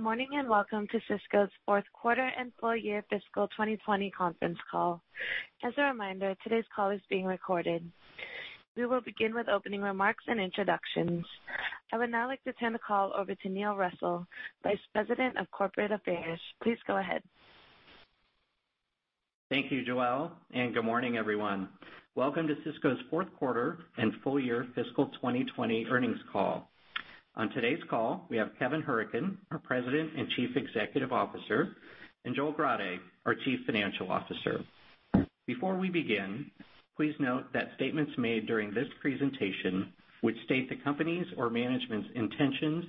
G`ood morning, and welcome to Sysco's fourth quarter and full-year fiscal 2020 conference call. As a reminder, today's call is being recorded. We will begin with opening remarks and introductions. I would now like to turn the call over to Neil Russell, Vice President of Corporate Affairs. Please go ahead. Thank you, Joelle, and good morning, everyone. Welcome to Sysco's fourth quarter and full-year fiscal 2020 earnings call. On today's call, we have Kevin Hourican, our President and Chief Executive Officer, and Joel Grade, our Chief Financial Officer. Before we begin, please note that statements made during this presentation, which state the company's or management's intentions,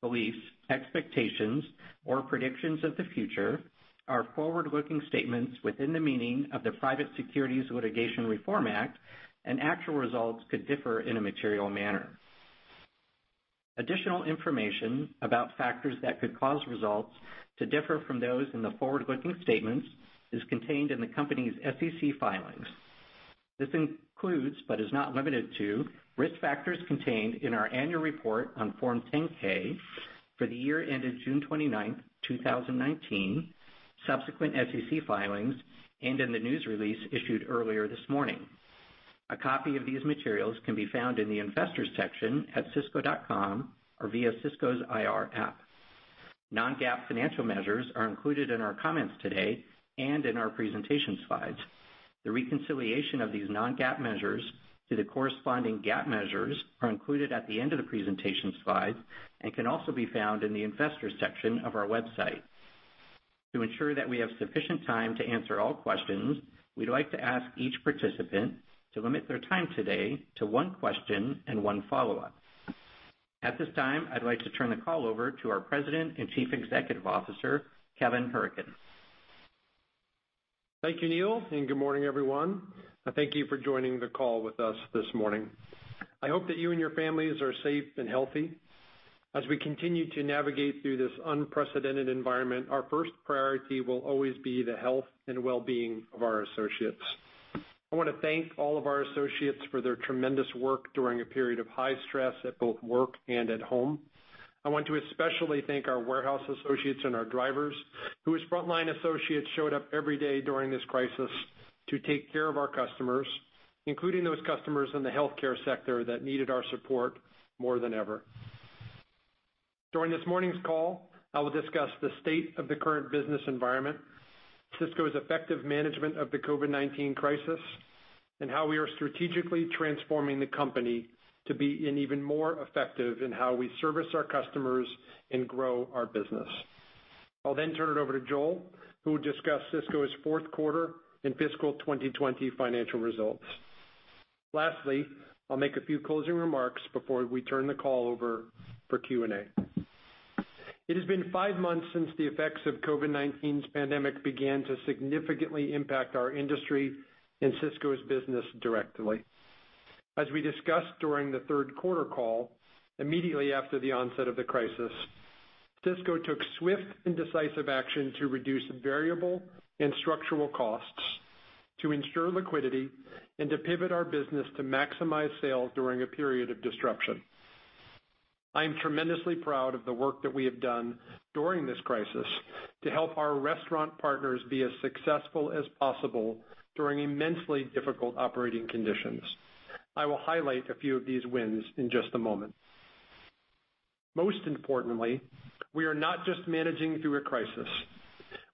beliefs, expectations, or predictions of the future are forward-looking statements within the meaning of the Private Securities Litigation Reform Act, and actual results could differ in a material manner. Additional information about factors that could cause results to differ from those in the forward-looking statements is contained in the company's SEC filings. This includes, but is not limited to, risk factors contained in our annual report on Form 10-K for the year ended June 29th, 2019, subsequent SEC filings, and in the news release issued earlier this morning. A copy of these materials can be found in the Investors section at sysco.com or via Sysco IR App. Non-GAAP financial measures are included in our comments today and in our presentation slides. The reconciliation of these non-GAAP measures to the corresponding GAAP measures are included at the end of the presentation slides and can also be found in the Investors section of our website. To ensure that we have sufficient time to answer all questions, we'd like to ask each participant to limit their time today to one question and one follow-up. At this time, I'd like to turn the call over to our President and Chief Executive Officer, Kevin Hourican. Thank you, Neil. Good morning, everyone. Thank you for joining the call with us this morning. I hope that you and your families are safe and healthy. As we continue to navigate through this unprecedented environment, our first priority will always be the health and well-being of our associates. I want to thank all of our associates for their tremendous work during a period of high stress at both work and at home. I want to especially thank our warehouse associates and our drivers, whose frontline associates showed up every day during this crisis to take care of our customers, including those customers in the healthcare sector that needed our support more than ever. During this morning's call, I will discuss the state of the current business environment, Sysco's effective management of the COVID-19 crisis, and how we are strategically transforming the company to be even more effective in how we service our customers and grow our business. I'll then turn it over to Joel, who will discuss Sysco's fourth quarter and fiscal 2020 financial results. Lastly, I'll make a few closing remarks before we turn the call over for Q&A. It has been five months since the effects of COVID-19's pandemic began to significantly impact our industry and Sysco's business directly. As we discussed during the third quarter call, immediately after the onset of the crisis, Sysco took swift and decisive action to reduce variable and structural costs, to ensure liquidity, and to pivot our business to maximize sales during a period of disruption. I am tremendously proud of the work that we have done during this crisis to help our restaurant partners be as successful as possible during immensely difficult operating conditions. I will highlight a few of these wins in just a moment. Most importantly, we are not just managing through a crisis.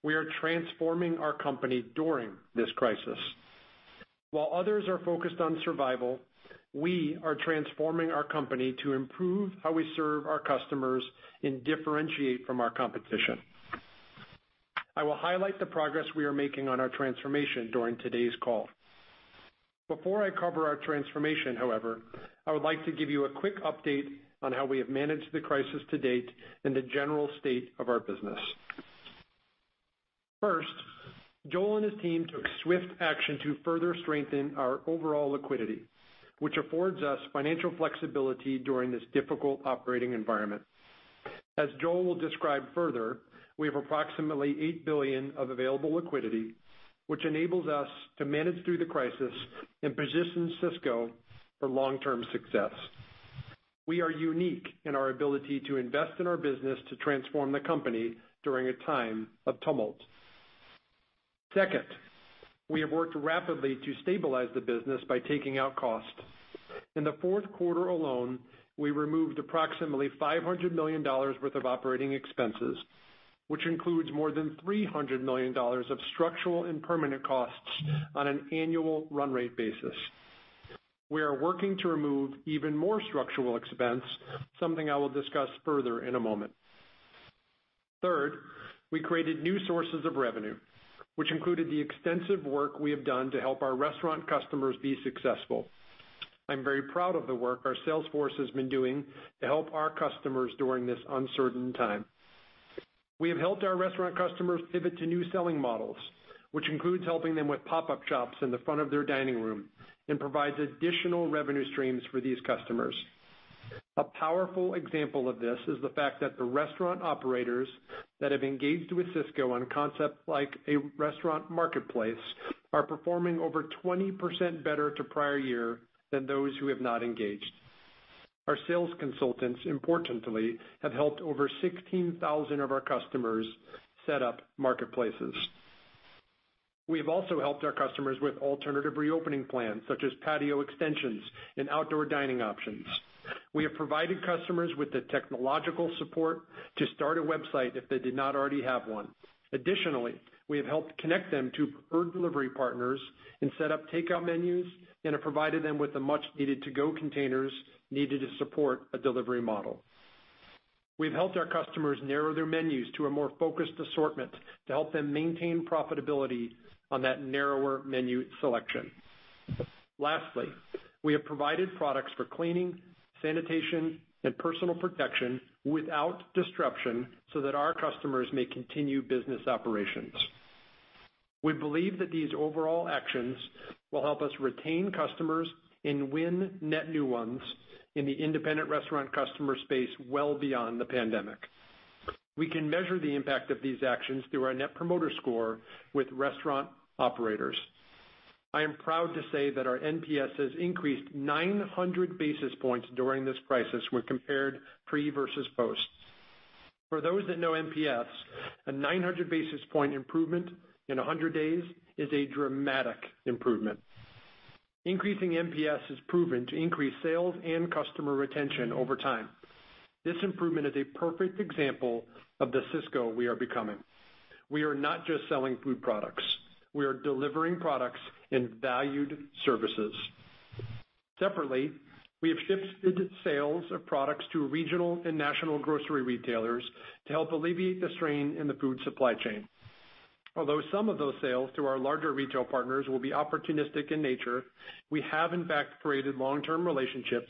We are transforming our company during this crisis. While others are focused on survival, we are transforming our company to improve how we serve our customers and differentiate from our competition. I will highlight the progress we are making on our transformation during today's call. Before I cover our transformation, however, I would like to give you a quick update on how we have managed the crisis to date and the general state of our business. First, Joel and his team took swift action to further strengthen our overall liquidity, which affords us financial flexibility during this difficult operating environment. As Joel will describe further, we have approximately $8 billion of available liquidity, which enables us to manage through the crisis and positions Sysco for long-term success. We are unique in our ability to invest in our business to transform the company during a time of tumult. Second, we have worked rapidly to stabilize the business by taking out costs. In the fourth quarter alone, we removed approximately $500 million worth of operating expenses, which includes more than $300 million of structural and permanent costs on an annual run rate basis. We are working to remove even more structural expense, something I will discuss further in a moment. Third, we created new sources of revenue, which included the extensive work we have done to help our restaurant customers be successful. I'm very proud of the work our sales force has been doing to help our customers during this uncertain time. We have helped our restaurant customers pivot to new selling models, which includes helping them with pop-up shops in the front of their dining room and provides additional revenue streams for these customers. A powerful example of this is the fact that the restaurant operators that have engaged with Sysco on a concept like a restaurant marketplace are performing over 20% better to prior year than those who have not engaged. Our sales consultants, importantly, have helped over 16,000 of our customers set up marketplaces. We have also helped our customers with alternative reopening plans, such as patio extensions and outdoor dining options. We have provided customers with the technological support to start a website if they did not already have one. Additionally, we have helped connect them to preferred delivery partners and set up takeout menus and have provided them with the much needed to-go containers needed to support a delivery model. We've helped our customers narrow their menus to a more focused assortment to help them maintain profitability on that narrower menu selection. Lastly, we have provided products for cleaning, sanitation, and personal protection without disruption so that our customers may continue business operations. We believe that these overall actions will help us retain customers and win net new ones in the independent restaurant customer space well beyond the pandemic. We can measure the impact of these actions through our net promoter score with restaurant operators. I am proud to say that our NPS has increased 900 basis points during this crisis when compared pre versus post. For those that know NPS, a 900 basis point improvement in 100 days is a dramatic improvement. Increasing NPS is proven to increase sales and customer retention over time. This improvement is a perfect example of the Sysco we are becoming. We are not just selling food products, we are delivering products and valued services. Separately, we have shifted sales of products to regional and national grocery retailers to help alleviate the strain in the food supply chain. Although some of those sales through our larger retail partners will be opportunistic in nature, we have in fact created long-term relationships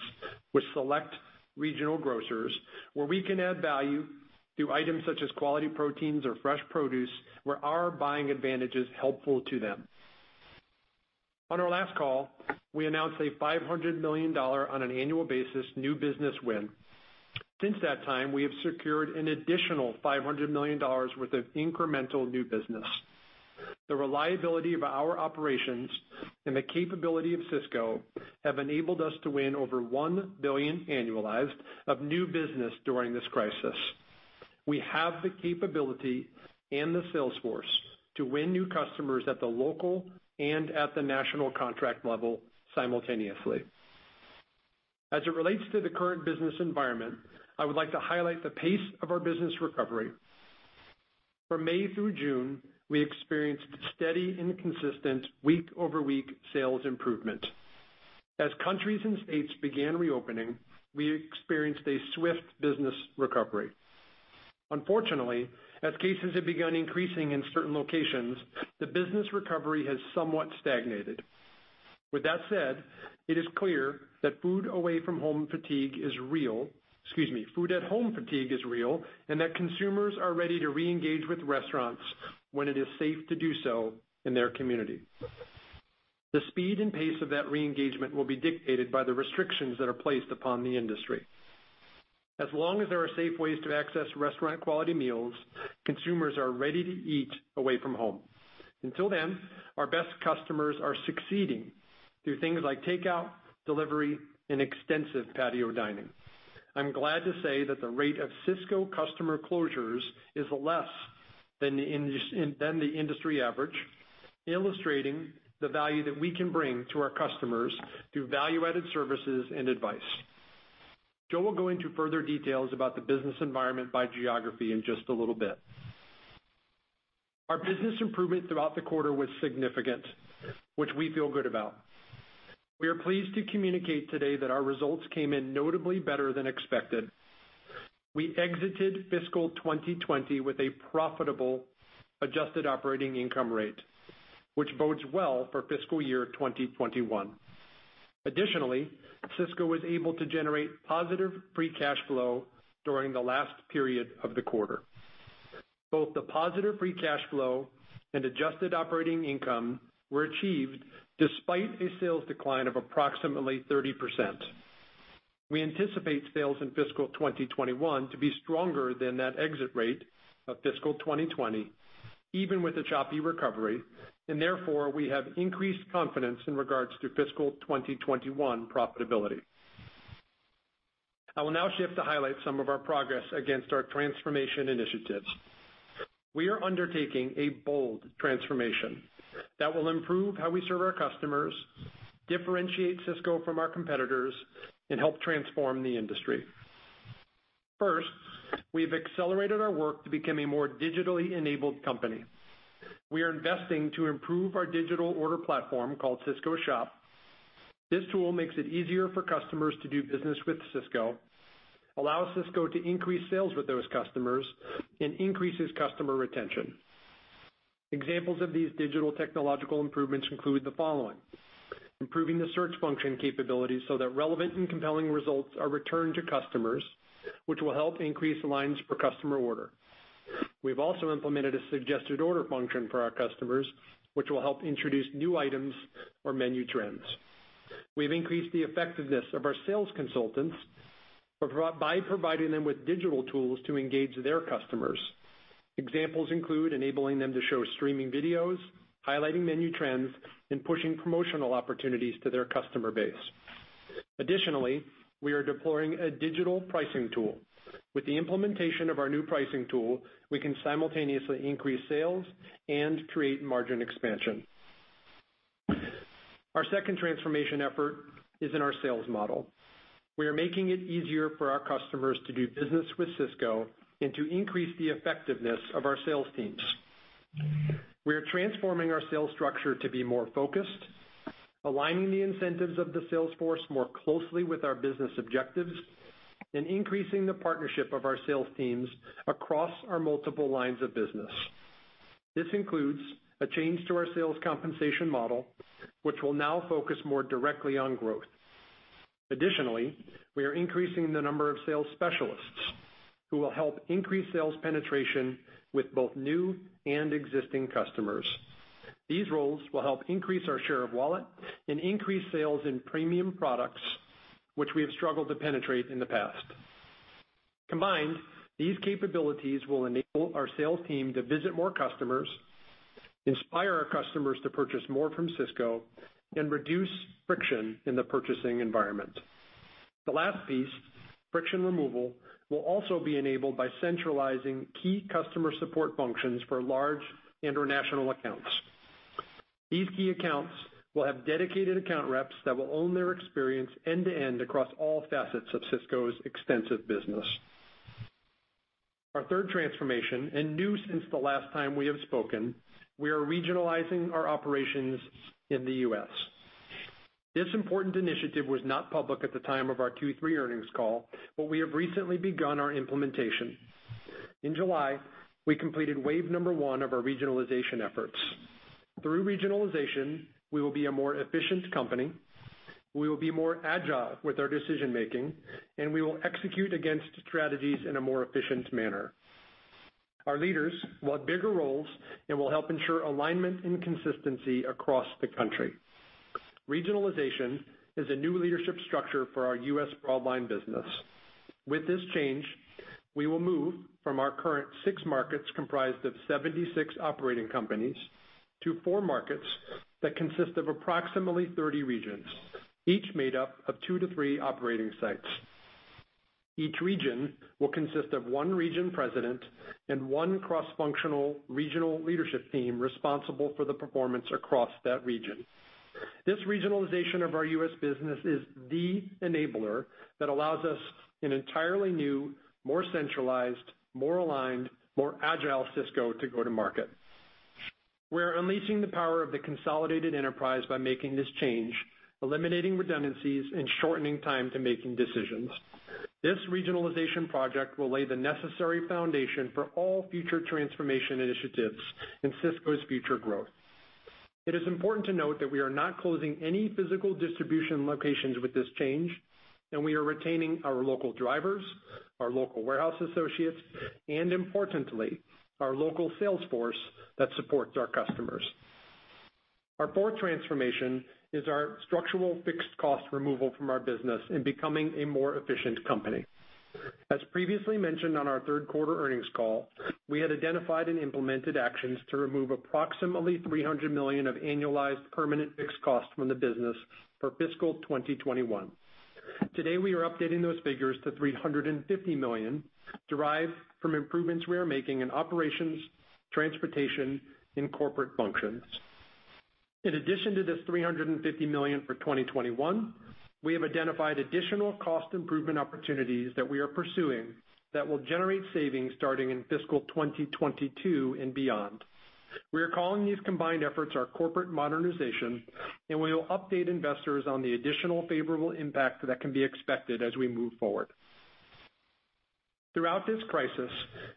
with select regional grocers where we can add value through items such as quality proteins or fresh produce, where our buying advantage is helpful to them. On our last call, we announced a $500 million on an annual basis new business win. Since that time, we have secured an additional $500 million worth of incremental new business. The reliability of our operations and the capability of Sysco have enabled us to win over $1 billion annualized of new business during this crisis. We have the capability and the sales force to win new customers at the local and at the national contract level simultaneously. As it relates to the current business environment, I would like to highlight the pace of our business recovery. From May through June, we experienced steady and consistent week-over-week sales improvement. As countries and states began reopening, we experienced a swift business recovery. Unfortunately, as cases have begun increasing in certain locations, the business recovery has somewhat stagnated. With that said, it is clear that food away from home fatigue is real. Excuse me, food at home fatigue is real, and that consumers are ready to reengage with restaurants when it is safe to do so in their community. The speed and pace of that reengagement will be dictated by the restrictions that are placed upon the industry. As long as there are safe ways to access restaurant quality meals, consumers are ready to eat away from home. Until then, our best customers are succeeding through things like takeout, delivery, and extensive patio dining. I'm glad to say that the rate of Sysco customer closures is less than the industry average, illustrating the value that we can bring to our customers through value-added services and advice. Joel will go into further details about the business environment by geography in just a little bit. Our business improvement throughout the quarter was significant, which we feel good about. We are pleased to communicate today that our results came in notably better than expected. We exited fiscal 2020 with a profitable adjusted operating income rate, which bodes well for fiscal year 2021. Additionally, Sysco was able to generate positive free cash flow during the last period of the quarter. Both the positive free cash flow and adjusted operating income were achieved despite a sales decline of approximately 30%. We anticipate sales in fiscal 2021 to be stronger than that exit rate of fiscal 2020, even with a choppy recovery, and therefore, we have increased confidence in regards to fiscal 2021 profitability. I will now shift to highlight some of our progress against our transformation initiatives. We are undertaking a bold transformation that will improve how we serve our customers, differentiate Sysco from our competitors, and help transform the industry. First, we've accelerated our work to become a more digitally enabled company. We are investing to improve our digital order platform called Sysco Shop. This tool makes it easier for customers to do business with Sysco, allows Sysco to increase sales with those customers, and increases customer retention. Examples of these digital technological improvements include the following. Improving the search function capabilities so that relevant and compelling results are returned to customers, which will help increase lines per customer order. We've also implemented a suggested order function for our customers, which will help introduce new items or menu trends. We've increased the effectiveness of our sales consultants by providing them with digital tools to engage their customers. Examples include enabling them to show streaming videos, highlighting menu trends, and pushing promotional opportunities to their customer base. Additionally, we are deploying a digital pricing tool. With the implementation of our new pricing tool, we can simultaneously increase sales and create margin expansion. Our second transformation effort is in our sales model. We are making it easier for our customers to do business with Sysco and to increase the effectiveness of our sales teams. We are transforming our sales structure to be more focused, aligning the incentives of the sales force more closely with our business objectives, and increasing the partnership of our sales teams across our multiple lines of business. This includes a change to our sales compensation model, which will now focus more directly on growth. Additionally, we are increasing the number of sales specialists who will help increase sales penetration with both new and existing customers. These roles will help increase our share of wallet and increase sales in premium products, which we have struggled to penetrate in the past. Combined, these capabilities will enable our sales team to visit more customers, inspire our customers to purchase more from Sysco, and reduce friction in the purchasing environment. The last piece, friction removal, will also be enabled by centralizing key customer support functions for large international accounts. These key accounts will have dedicated account reps that will own their experience end-to-end across all facets of Sysco's extensive business. Our third transformation, new since the last time we have spoken, we are regionalizing our operations in the U.S. This important initiative was not public at the time of our Q3 earnings call, we have recently begun our implementation. In July, we completed wave number one of our regionalization efforts. Through regionalization, we will be a more efficient company, we will be more agile with our decision-making, we will execute against strategies in a more efficient manner. Our leaders will have bigger roles and will help ensure alignment and consistency across the country. Regionalization is a new leadership structure for our U.S. Broadline business. With this change, we will move from our current six markets, comprised of 76 operating companies, to four markets that consist of approximately 30 regions, each made up of two to three operating sites. Each region will consist of one region president and one cross-functional regional leadership team responsible for the performance across that region. This regionalization of our U.S. business is the enabler that allows us an entirely new, more centralized, more aligned, more agile Sysco to go to market. We're unleashing the power of the consolidated enterprise by making this change, eliminating redundancies, and shortening time to making decisions. This regionalization project will lay the necessary foundation for all future transformation initiatives and Sysco's future growth. It is important to note that we are not closing any physical distribution locations with this change, and we are retaining our local drivers, our local warehouse associates, and importantly, our local sales force that supports our customers. Our fourth transformation is our structural fixed cost removal from our business and becoming a more efficient company. As previously mentioned on our third quarter earnings call, we had identified and implemented actions to remove approximately $300 million of annualized permanent fixed costs from the business for fiscal 2021. Today, we are updating those figures to $350 million, derived from improvements we are making in operations, transportation, and corporate functions. In addition to this $350 million for 2021, we have identified additional cost improvement opportunities that we are pursuing that will generate savings starting in fiscal 2022 and beyond. We are calling these combined efforts our corporate modernization. We will update investors on the additional favorable impact that can be expected as we move forward. Throughout this crisis,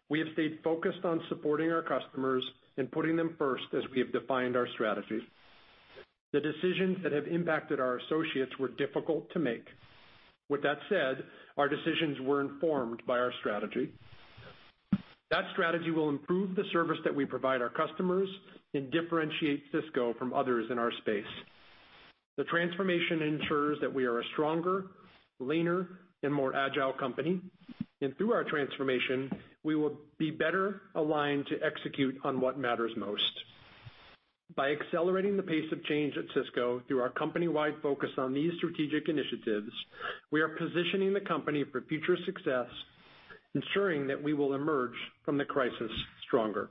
we have stayed focused on supporting our customers and putting them first as we have defined our strategy. The decisions that have impacted our associates were difficult to make. With that said, our decisions were informed by our strategy. That strategy will improve the service that we provide our customers and differentiate Sysco from others in our space. The transformation ensures that we are a stronger, leaner, and more agile company. Through our transformation, we will be better aligned to execute on what matters most. By accelerating the pace of change at Sysco through our company-wide focus on these strategic initiatives, we are positioning the company for future success, ensuring that we will emerge from the crisis stronger.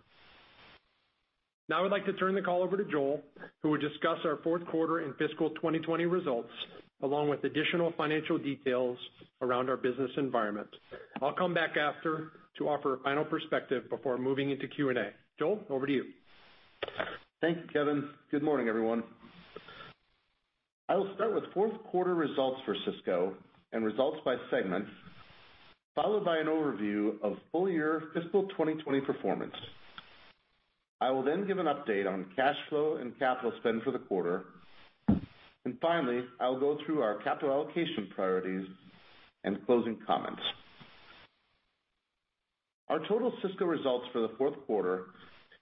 Now I would like to turn the call over to Joel, who will discuss our fourth quarter and fiscal 2020 results, along with additional financial details around our business environment. I'll come back after to offer a final perspective before moving into Q&A. Joel, over to you. Thank you, Kevin. Good morning, everyone. I will start with fourth quarter results for Sysco and results by segments, followed by an overview of full-year fiscal 2020 performance. I will then give an update on cash flow and capital spend for the quarter. Finally, I will go through our capital allocation priorities and closing comments. Our total Sysco results for the fourth quarter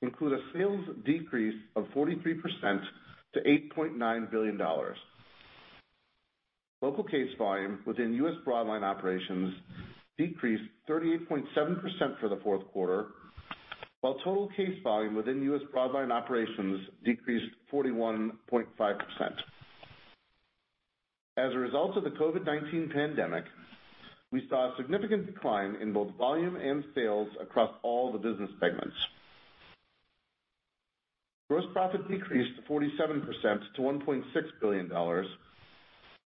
include a sales decrease of 43% to $8.9 billion. Local case volume within U.S. Broadline operations decreased 38.7% for the fourth quarter. While total case volume within U.S. Broadline operations decreased 41.5%. As a result of the COVID-19 pandemic, we saw a significant decline in both volume and sales across all the business segments. Gross profit decreased 47% to $1.6 billion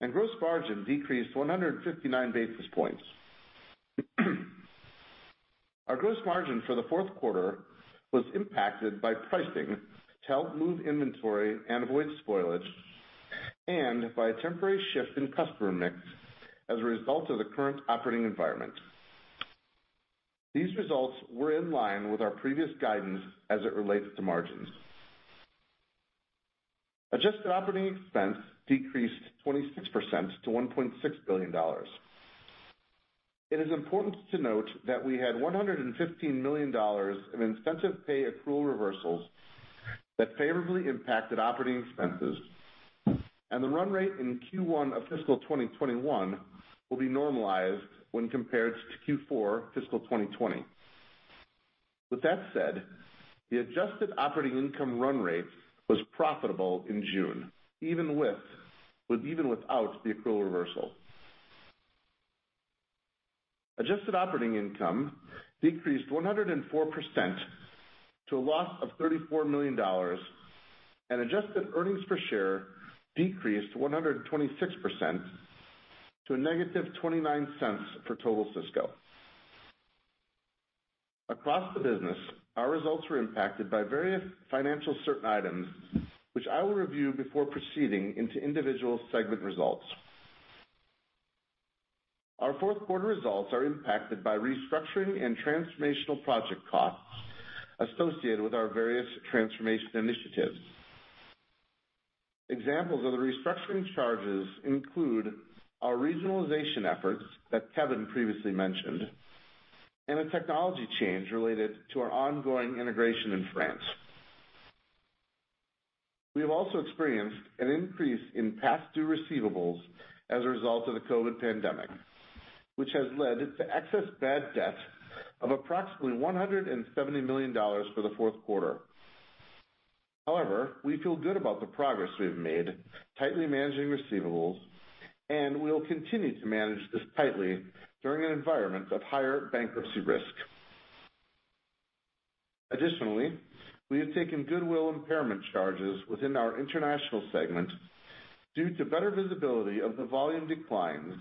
and gross margin decreased 159 basis points. Our gross margin for the fourth quarter was impacted by pricing to help move inventory and avoid spoilage and by a temporary shift in customer mix as a result of the current operating environment. These results were in line with our previous guidance as it relates to margins. Adjusted operating expense decreased 26% to $1.6 billion. It is important to note that we had $115 million in incentive pay accrual reversals that favorably impacted operating expenses and the run rate in Q1 of fiscal 2021 will be normalized when compared to Q4 fiscal 2020. With that said, the adjusted operating income run rate was profitable in June, even without the accrual reversal. Adjusted operating income decreased 104% to a loss of $34 million and adjusted earnings per share decreased 126% to a -$0.29 per total Sysco. Across the business, our results were impacted by various financial certain items, which I will review before proceeding into individual segment results. Our fourth quarter results are impacted by restructuring and transformational project costs associated with our various transformation initiatives. Examples of the restructuring charges include our regionalization efforts that Kevin previously mentioned, and a technology change related to our ongoing integration in France. We have also experienced an increase in past due receivables as a result of the COVID-19 pandemic, which has led to excess bad debt of approximately $170 million for the fourth quarter. We feel good about the progress we've made tightly managing receivables, and we'll continue to manage this tightly during an environment of higher bankruptcy risk. Additionally, we have taken goodwill impairment charges within our international segment due to better visibility of the volume declines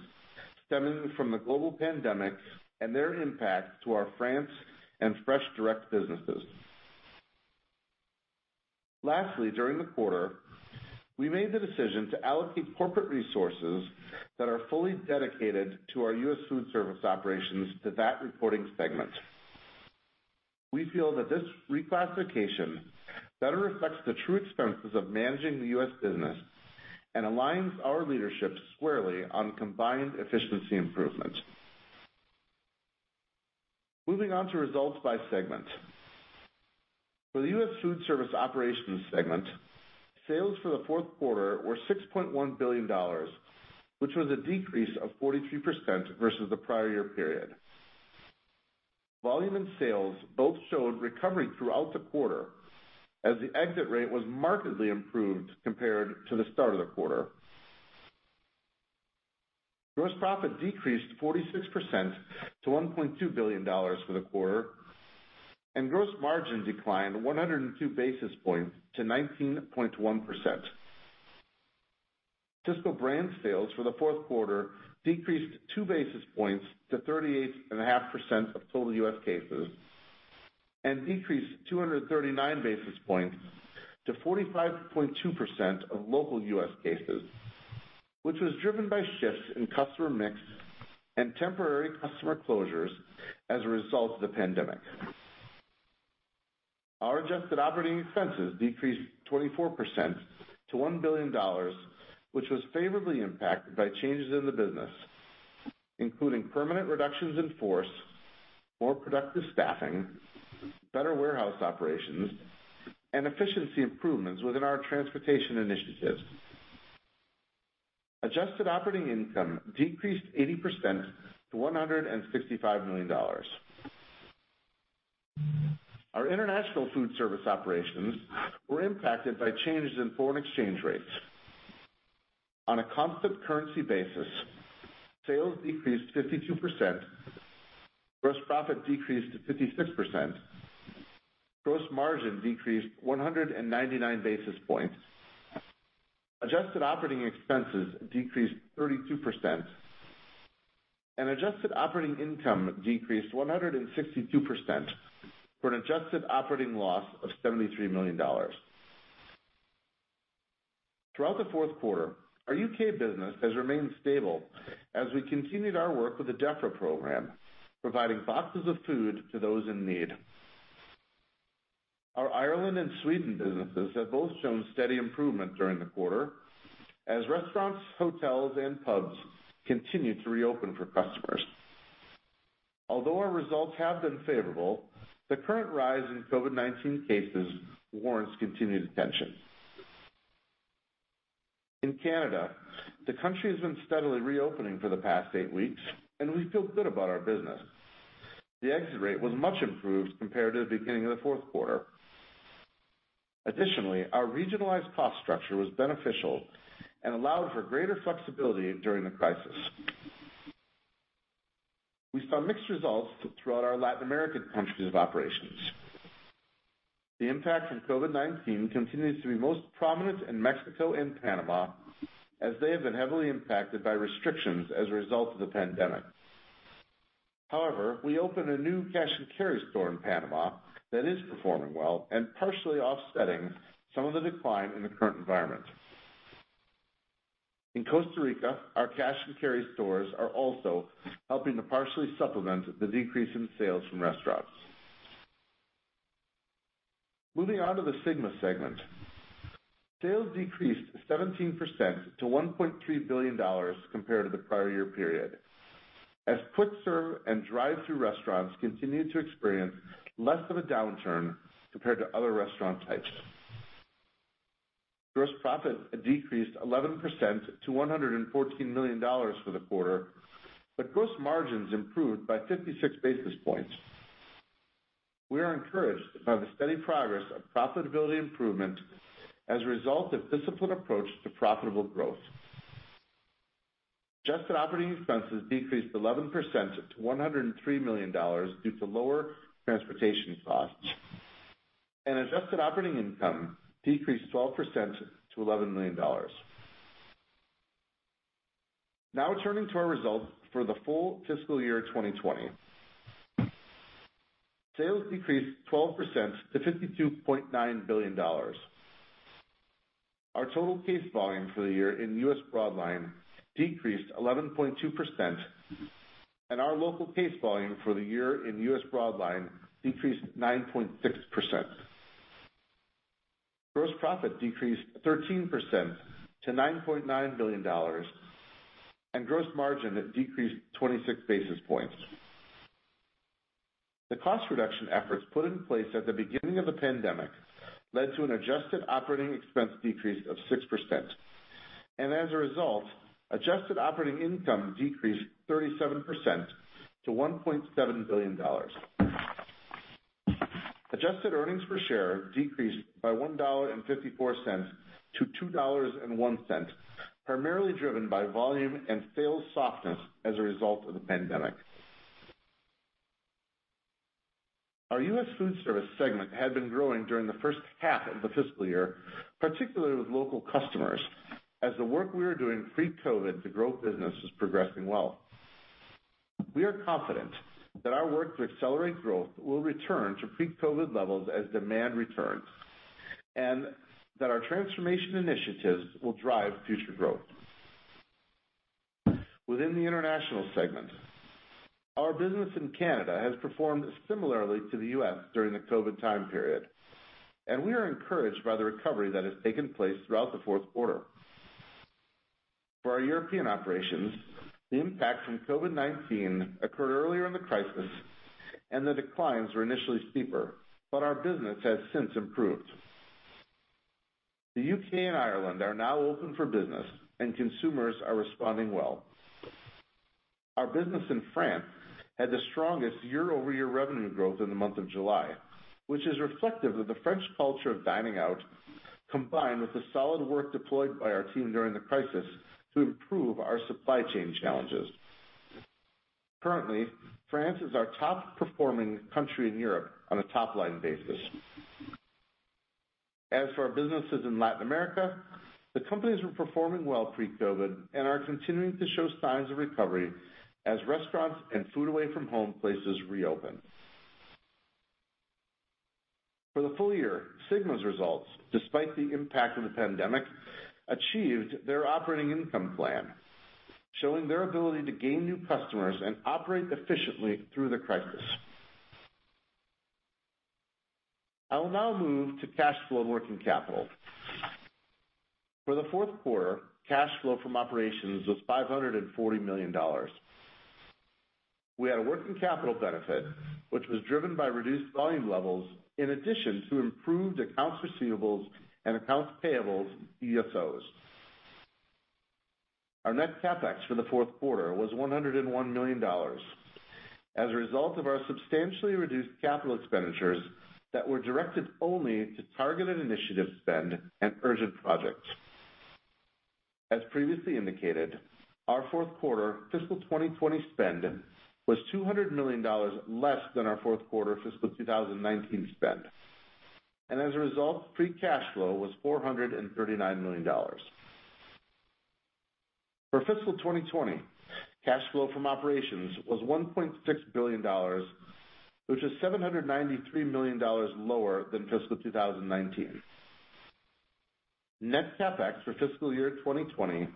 stemming from the global pandemic and their impact to our France and Fresh Direct businesses. Lastly, during the quarter, we made the decision to allocate corporate resources that are fully dedicated to our U.S. Foodservice Operations to that reporting segment. We feel that this reclassification better reflects the true expenses of managing the U.S. business and aligns our leadership squarely on combined efficiency improvement. Moving on to results by segment. For the U.S. Foodservice Operations segment, sales for the fourth quarter were $6.1 billion, which was a decrease of 43% versus the prior year period. Volume and sales both showed recovery throughout the quarter as the exit rate was markedly improved compared to the start of the quarter. Gross profit decreased 46% to $1.2 billion for the quarter, and gross margin declined 102 basis points to 19.1%. Sysco Brands sales for the fourth quarter decreased 2 basis points to 38.5% of total U.S. cases and decreased 239 basis points to 45.2% of local U.S. cases, which was driven by shifts in customer mix and temporary customer closures as a result of the pandemic. Our adjusted operating expenses decreased 24% to $1 billion, which was favorably impacted by changes in the business, including permanent reductions in force, more productive staffing, better warehouse operations, and efficiency improvements within our Transportation Initiatives. Adjusted operating income decreased 80% to $165 million. Our International Foodservice Operations were impacted by changes in foreign exchange rates. On a constant currency basis, sales decreased 52%, gross profit decreased to 56%, gross margin decreased 199 basis points, adjusted operating expenses decreased 32%, and adjusted operating income decreased 162%, for an adjusted operating loss of $73 million. Throughout the fourth quarter, our U.K. business has remained stable as we continued our work with the DEFRA program, providing boxes of food to those in need. Our Ireland and Sweden businesses have both shown steady improvement during the quarter, as restaurants, hotels, and pubs continue to reopen for customers. Although our results have been favorable, the current rise in COVID-19 cases warrants continued attention. In Canada, the country has been steadily reopening for the past eight weeks, and we feel good about our business. The exit rate was much improved compared to the beginning of the fourth quarter. Additionally, our regionalized cost structure was beneficial and allowed for greater flexibility during the crisis. We saw mixed results throughout our Latin American countries of operations. The impact from COVID-19 continues to be most prominent in Mexico and Panama, as they have been heavily impacted by restrictions as a result of the pandemic. However, we opened a new cash and carry store in Panama that is performing well and partially offsetting some of the decline in the current environment. In Costa Rica, our cash and carry stores are also helping to partially supplement the decrease in sales from restaurants. Moving on to the SYGMA segment. Sales decreased 17% to $1.3 billion compared to the prior year period, as quick serve and drive-thru restaurants continued to experience less of a downturn compared to other restaurant types. Gross profit decreased 11% to $114 million for the quarter, gross margins improved by 56 basis points. We are encouraged by the steady progress of profitability improvement as a result of disciplined approach to profitable growth. Adjusted operating expenses decreased 11% to $103 million due to lower transportation costs. Adjusted operating income decreased 12% to $11 million. Now turning to our results for the full fiscal year 2020. Sales decreased 12% to $52.9 billion. Our total case volume for the year in U.S. Broadline decreased 11.2%, and our local case volume for the year in U.S. Broadline decreased 9.6%. Gross profit decreased 13% to $9.9 billion, and gross margin decreased 26 basis points. The cost reduction efforts put in place at the beginning of the pandemic led to an adjusted operating expense decrease of 6%. As a result, adjusted operating income decreased 37% to $1.7 billion. Adjusted earnings per share decreased by $1.54-$2.01, primarily driven by volume and sales softness as a result of the pandemic. Our U.S. Foodservice segment had been growing during the first half of the fiscal year, particularly with local customers, as the work we were doing pre-COVID to grow business was progressing well. We are confident that our work to accelerate growth will return to pre-COVID levels as demand returns, and that our transformation initiatives will drive future growth. Within the International segment, our business in Canada has performed similarly to the U.S. during the COVID time period, and we are encouraged by the recovery that has taken place throughout the fourth quarter. For our European operations, the impact from COVID-19 occurred earlier in the crisis and the declines were initially steeper, but our business has since improved. The U.K. and Ireland are now open for business and consumers are responding well. Our business in France had the strongest year-over-year revenue growth in the month of July, which is reflective of the French culture of dining out, combined with the solid work deployed by our team during the crisis to improve our supply chain challenges. Currently, France is our top performing country in Europe on a top-line basis. As for our businesses in Latin America, the companies were performing well pre-COVID and are continuing to show signs of recovery as restaurants and food away from home places reopen. For the full year, SYGMA's results, despite the impact of the pandemic, achieved their operating income plan, showing their ability to gain new customers and operate efficiently through the crisis. I will now move to cash flow and working capital. For the fourth quarter, cash flow from operations was $540 million. We had a working capital benefit, which was driven by reduced volume levels in addition to improved accounts receivables and accounts payables DSOs. Our net CapEx for the fourth quarter was $101 million as a result of our substantially reduced capital expenditures that were directed only to targeted initiative spend and urgent projects. As previously indicated, our fourth quarter fiscal 2020 spend was $200 million less than our fourth quarter fiscal 2019 spend. As a result, free cash flow was $439 million. For fiscal 2020, cash flow from operations was $1.6 billion, which is $793 million lower than fiscal 2019. Net CapEx for fiscal year 2020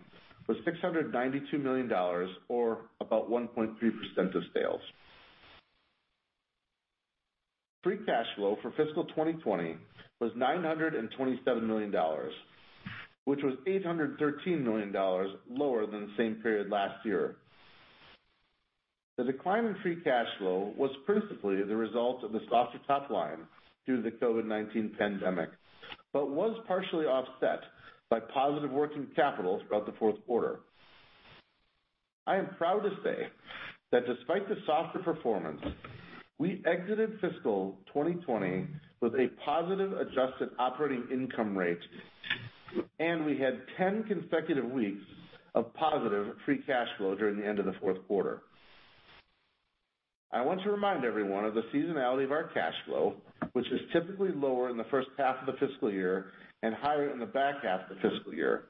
was $692 million or about 1.3% of sales. Free cash flow for fiscal 2020 was $927 million, which was $813 million lower than the same period last year. The decline in free cash flow was principally the result of the softer top line through the COVID-19 pandemic, but was partially offset by positive working capital throughout the fourth quarter. I am proud to say that despite the softer performance, we exited fiscal 2020 with a positive adjusted operating income rate, and we had 10 consecutive weeks of positive free cash flow during the end of the fourth quarter. I want to remind everyone of the seasonality of our cash flow, which is typically lower in the first half of the fiscal year and higher in the back half of the fiscal year.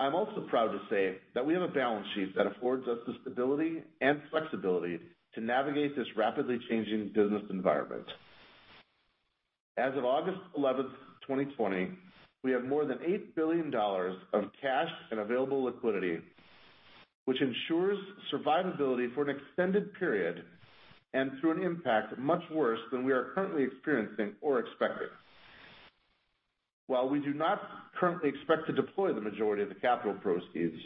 I'm also proud to say that we have a balance sheet that affords us the stability and flexibility to navigate this rapidly changing business environment. As of August 11th, 2020, we have more than $8 billion of cash and available liquidity, which ensures survivability for an extended period and through an impact much worse than we are currently experiencing or expected. While we do not currently expect to deploy the majority of the capital proceeds,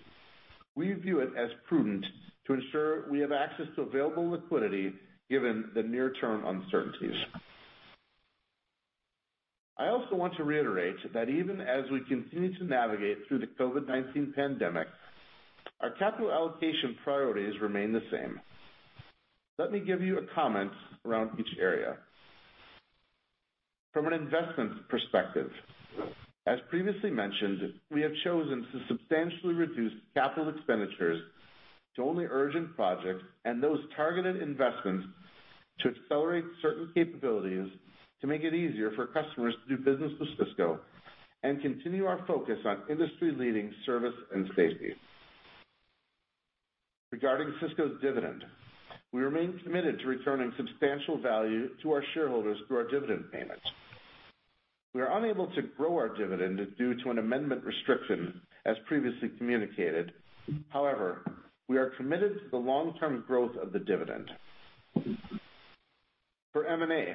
we view it as prudent to ensure we have access to available liquidity given the near-term uncertainties. I also want to reiterate that even as we continue to navigate through the COVID-19 pandemic, our capital allocation priorities remain the same. Let me give you a comment around each area. From an investment perspective, as previously mentioned, we have chosen to substantially reduce capital expenditures to only urgent projects and those targeted investments to accelerate certain capabilities to make it easier for customers to do business with Sysco and continue our focus on industry-leading service and safety. Regarding Sysco's dividend, we remain committed to returning substantial value to our shareholders through our dividend payments. We are unable to grow our dividend due to an amendment restriction, as previously communicated. We are committed to the long-term growth of the dividend. For M&A,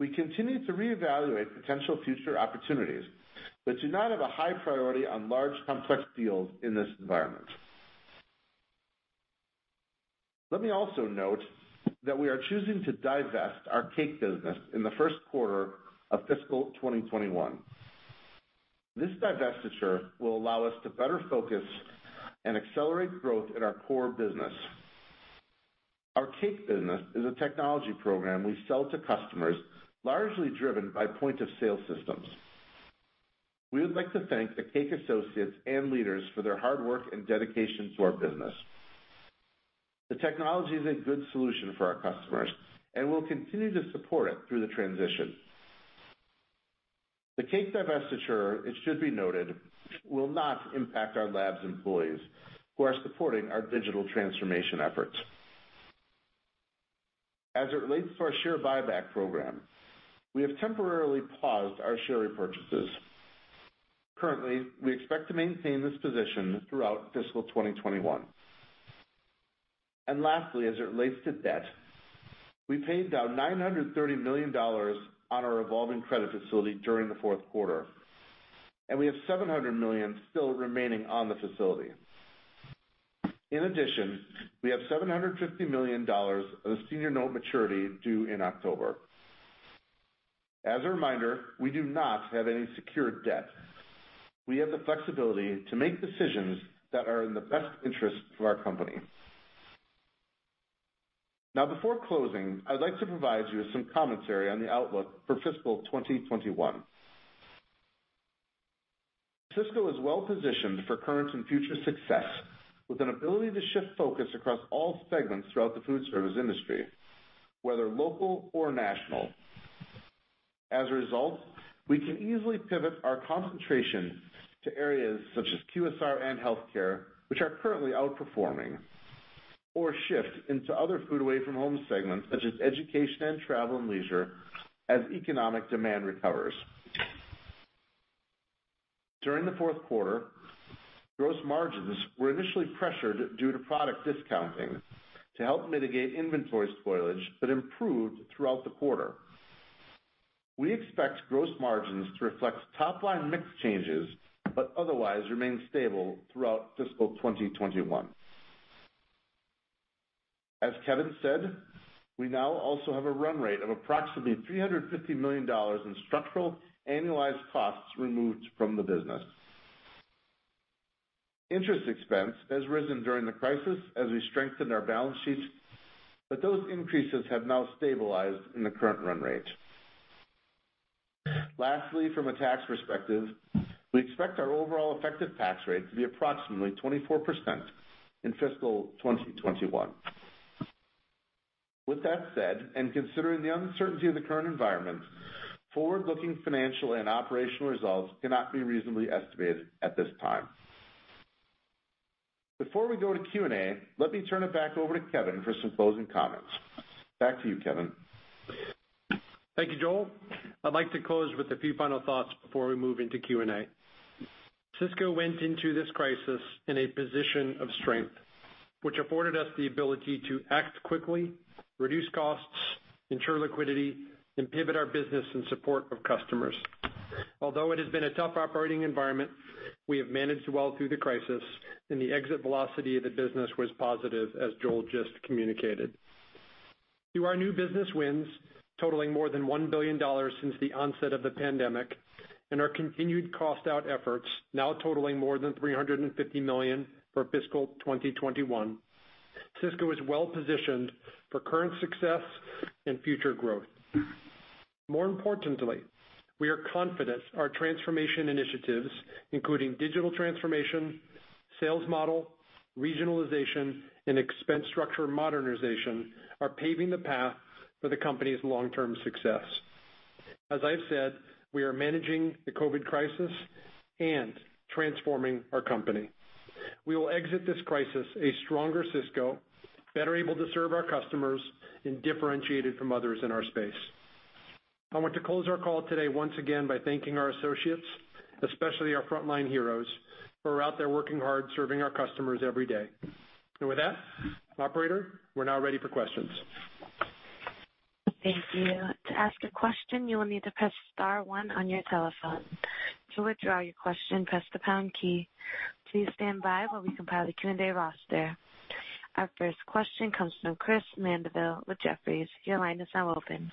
we continue to reevaluate potential future opportunities but do not have a high priority on large, complex deals in this environment. Let me also note that we are choosing to divest our CAKE business in the first quarter of fiscal 2021. This divestiture will allow us to better focus and accelerate growth in our core business. Our CAKE business is a technology program we sell to customers, largely driven by point-of-sale systems. We would like to thank the CAKE associates and leaders for their hard work and dedication to our business. The technology is a good solution for our customers, and we'll continue to support it through the transition. The CAKE divestiture, it should be noted, will not impact our labs employees who are supporting our digital transformation efforts. As it relates to our share buyback program, we have temporarily paused our share repurchases. Currently, we expect to maintain this position throughout fiscal 2021. Lastly, as it relates to debt, we paid down $930 million on our revolving credit facility during the fourth quarter, and we have $700 million still remaining on the facility. In addition, we have $750 million of senior note maturity due in October. As a reminder, we do not have any secured debt. We have the flexibility to make decisions that are in the best interest for our company. Now, before closing, I'd like to provide you with some commentary on the outlook for fiscal 2021. Sysco is well-positioned for current and future success with an ability to shift focus across all segments throughout the food service industry, whether local or national. As a result, we can easily pivot our concentration to areas such as QSR and healthcare, which are currently outperforming, or shift into other food away from home segments such as education and travel and leisure as economic demand recovers. During the fourth quarter, gross margins were initially pressured due to product discounting to help mitigate inventory spoilage that improved throughout the quarter. We expect gross margins to reflect top-line mix changes, but otherwise remain stable throughout fiscal 2021. As Kevin said, we now also have a run rate of approximately $350 million in structural annualized costs removed from the business. Interest expense has risen during the crisis as we strengthened our balance sheet, but those increases have now stabilized in the current run rate. Lastly, from a tax perspective, we expect our overall effective tax rate to be approximately 24% in fiscal 2021. With that said, and considering the uncertainty of the current environment, forward-looking financial and operational results cannot be reasonably estimated at this time. Before we go to Q&A, let me turn it back over to Kevin for some closing comments. Back to you, Kevin. Thank you, Joel. I'd like to close with a few final thoughts before we move into Q&A. Sysco went into this crisis in a position of strength, which afforded us the ability to act quickly, reduce costs, ensure liquidity, and pivot our business in support of customers. Although it has been a tough operating environment, we have managed well through the crisis, and the exit velocity of the business was positive, as Joel just communicated. Through our new business wins totaling more than $1 billion since the onset of the pandemic, and our continued cost-out efforts now totaling more than $350 million for fiscal 2021, Sysco is well-positioned for current success and future growth. More importantly, we are confident our transformation initiatives, including digital transformation, sales model, regionalization, and expense structure modernization, are paving the path for the company's long-term success. As I've said, we are managing the COVID-19 crisis and transforming our company. We will exit this crisis a stronger Sysco, better able to serve our customers, and differentiated from others in our space. I want to close our call today once again by thanking our associates, especially our frontline heroes, who are out there working hard serving our customers every day. Operator, we're now ready for questions. Thank you. To ask a question, you will need to press star one on your telephone. To withdraw your question, press the pound key. Please stand by while we compile the Q&A roster. Our first question comes from Chris Mandeville with Jefferies. Your line is now open.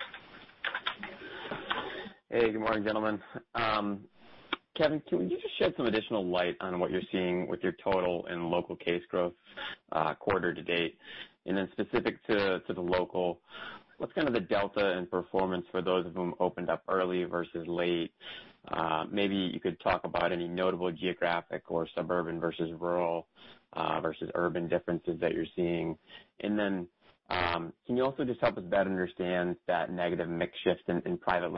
Hey, good morning, gentlemen. Kevin, can you just shed some additional light on what you're seeing with your total and local case growth quarter to date? Specific to the local, what's kind of the delta in performance for those of whom opened up early versus late? Maybe you could talk about any notable geographic or suburban versus rural versus urban differences that you're seeing. Can you also just help us better understand that negative mix shift in private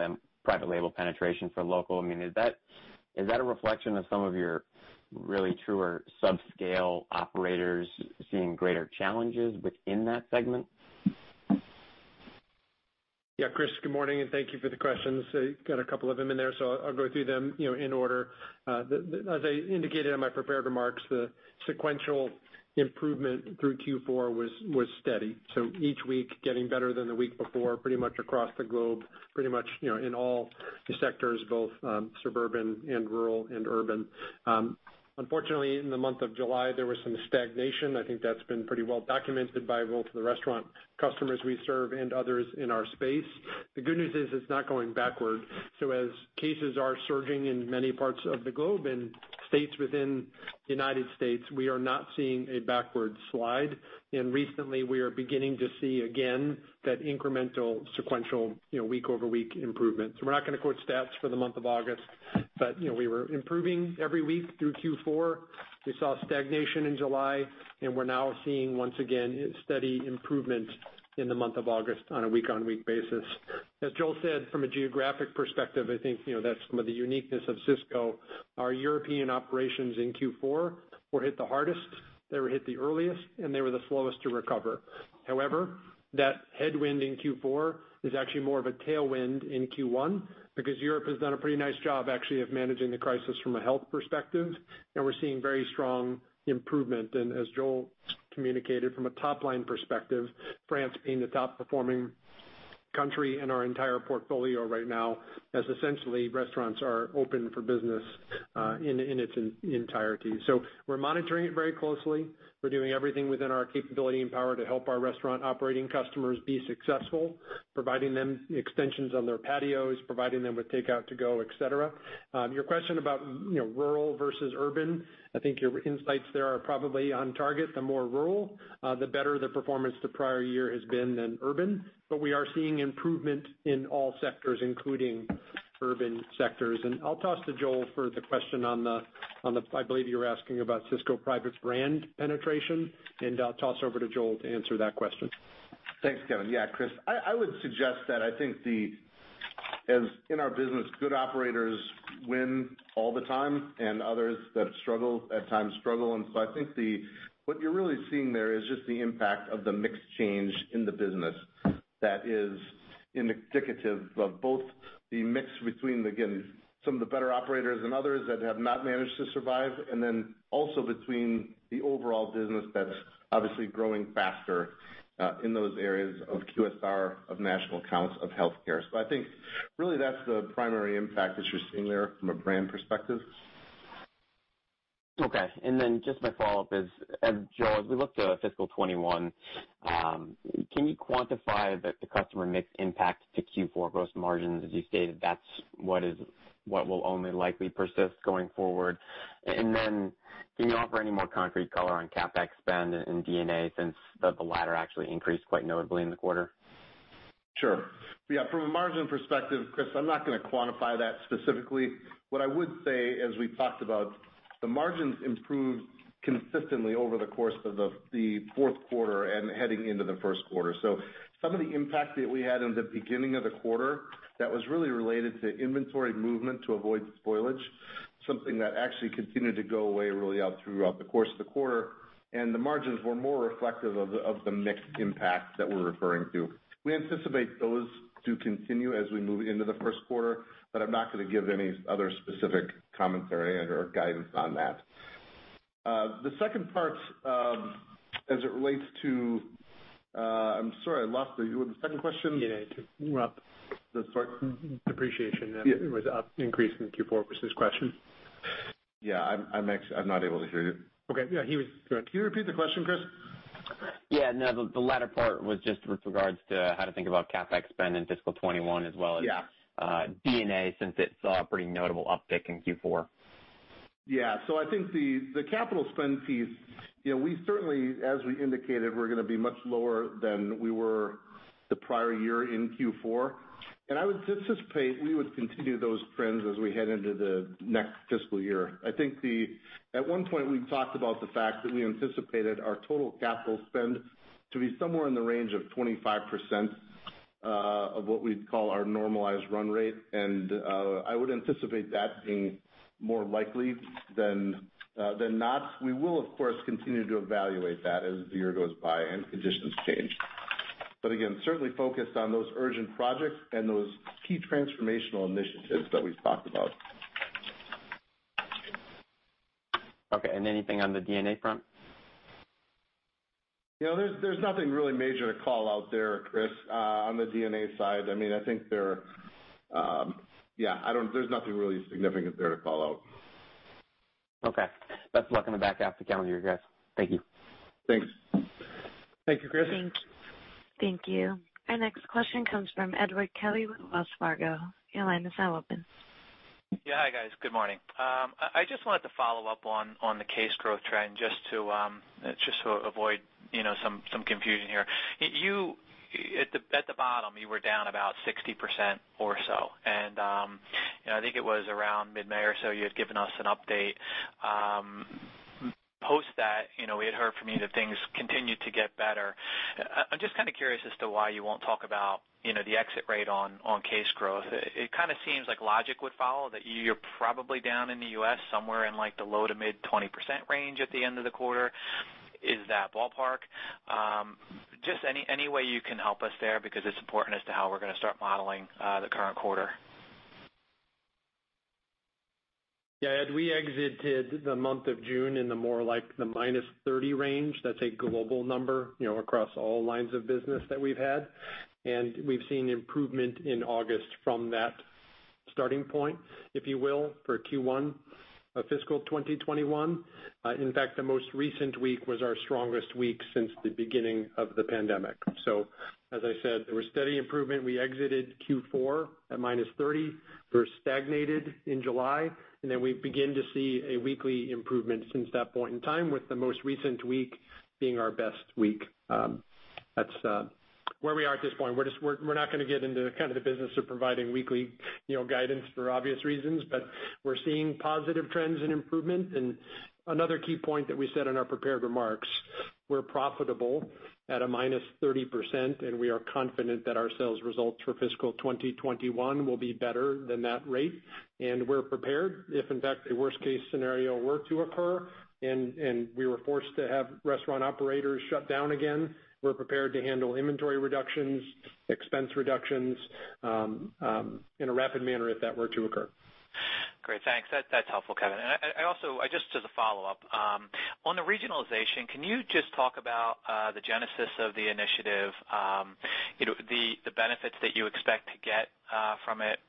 label penetration for local? Is that a reflection of some of your really truer subscale operators seeing greater challenges within that segment? Yeah, Chris, good morning, and thank you for the questions. You got a couple of them in there, so I'll go through them in order. As I indicated in my prepared remarks, the sequential improvement through Q4 was steady. Each week getting better than the week before, pretty much across the globe, pretty much in all sectors, both suburban and rural and urban. Unfortunately, in the month of July, there was some stagnation. I think that's been pretty well documented by both the restaurant customers we serve and others in our space. The good news is it's not going backward. As cases are surging in many parts of the globe and states within the U.S., we are not seeing a backward slide. Recently we are beginning to see again that incremental sequential week-over-week improvement. We're not going to quote stats for the month of August, but we were improving every week through Q4. We saw stagnation in July, and we're now seeing, once again, steady improvement in the month of August on a week-on-week basis. As Joel Grade said, from a geographic perspective, I think that's some of the uniqueness of Sysco. Our European operations in Q4 were hit the hardest, they were hit the earliest, and they were the slowest to recover. However, that headwind in Q4 is actually more of a tailwind in Q1 because Europe has done a pretty nice job actually of managing the crisis from a health perspective, and we're seeing very strong improvement. As Joel communicated from a top-line perspective, France being the top performing country in our entire portfolio right now, as essentially restaurants are open for business in its entirety. We're monitoring it very closely. We're doing everything within our capability and power to help our restaurant operating customers be successful, providing them extensions on their patios, providing them with takeout to go, et cetera. Your question about rural versus urban, I think your insights there are probably on target. The more rural, the better the performance the prior year has been than urban. We are seeing improvement in all sectors, including urban sectors. I'll toss to Joel for the question on the I believe you're asking about Sysco Brands penetration, and I'll toss over to Joel to answer that question. Thanks, Kevin. Chris, I would suggest that I think in our business, good operators win all the time and others that struggle at times struggle. I think what you're really seeing there is just the impact of the mix change in the business that is indicative of both the mix between, again, some of the better operators and others that have not managed to survive, and then also between the overall business that's obviously growing faster in those areas of QSR, of national accounts, of healthcare. I think really that's the primary impact that you're seeing there from a brand perspective. Okay, just my follow-up is, Joel, as we look to fiscal 2021, can you quantify the customer mix impact to Q4 gross margins? As you stated, that's what will only likely persist going forward. Can you offer any more concrete color on CapEx spend and D&A since the latter actually increased quite notably in the quarter? Sure. Yeah. From a margin perspective, Chris, I'm not going to quantify that specifically. What I would say, as we've talked about, the margins improved consistently over the course of the fourth quarter and heading into the first quarter. Some of the impact that we had in the beginning of the quarter that was really related to inventory movement to avoid spoilage, something that actually continued to go away really throughout the course of the quarter. The margins were more reflective of the mix impact that we're referring to. We anticipate those to continue as we move into the first quarter, but I'm not going to give any other specific commentary or guidance on that. I'm sorry, I lost you with the second question. Yeah. It was up. Sorry. Depreciation that was up increase in Q4 was his question. Yeah. I'm not able to hear you. Okay. Yeah, Can you repeat the question, Chris? Yeah. No, the latter part was just with regards to how to think about CapEx spend in fiscal 2021 as well as D&A, since it saw a pretty notable uptick in Q4. Yeah. I think the capital spend piece, we certainly, as we indicated, we're going to be much lower than we were the prior year in Q4. I would anticipate we would continue those trends as we head into the next fiscal year. I think at one point, we talked about the fact that we anticipated our total capital spend to be somewhere in the range of 25% of what we'd call our normalized run rate. I would anticipate that being more likely than not. We will, of course, continue to evaluate that as the year goes by and conditions change. Again, certainly focused on those urgent projects and those key transformational initiatives that we've talked about. Okay. Anything on the D&A front? There's nothing really major to call out there, Chris, on the D&A side. There's nothing really significant there to call out. Okay. Best of luck on the back half of the calendar year, guys. Thank you. Thanks. Thank you, Chris. Thank you. Our next question comes from Edward Kelly with Wells Fargo. Your line is now open. Yeah. Hi, guys. Good morning. I just wanted to follow up on the case growth trend just to avoid some confusion here. At the bottom, you were down about 60% or so, and I think it was around mid-May or so you had given us an update. Post that, we had heard from you that things continued to get better. I'm just kind of curious as to why you won't talk about the exit rate on case growth. It kind of seems like logic would follow that you're probably down in the U.S. somewhere in like the low to mid 20% range at the end of the quarter. Is that ballpark? Just any way you can help us there, because it's important as to how we're going to start modeling the current quarter. Yeah. Ed, we exited the month of June in the more like the -30% range. That's a global number across all lines of business that we've had. We've seen improvement in August from that starting point, if you will, for Q1 of fiscal 2021. In fact, the most recent week was our strongest week since the beginning of the pandemic. As I said, there was steady improvement. We exited Q4 at -30%. We're stagnated in July, and then we begin to see a weekly improvement since that point in time, with the most recent week being our best week. That's where we are at this point. We're not going to get into kind of the business of providing weekly guidance for obvious reasons, but we're seeing positive trends and improvement. Another key point that we said in our prepared remarks, we're profitable at a -30%, we are confident that our sales results for fiscal 2021 will be better than that rate. We're prepared if in fact, a worst case scenario were to occur and we were forced to have restaurant operators shut down again. We're prepared to handle inventory reductions, expense reductions in a rapid manner if that were to occur. Great. Thanks. That's helpful, Kevin. Just as a follow-up. On the regionalization, can you just talk about the genesis of the initiative, the benefits that you expect to get from it,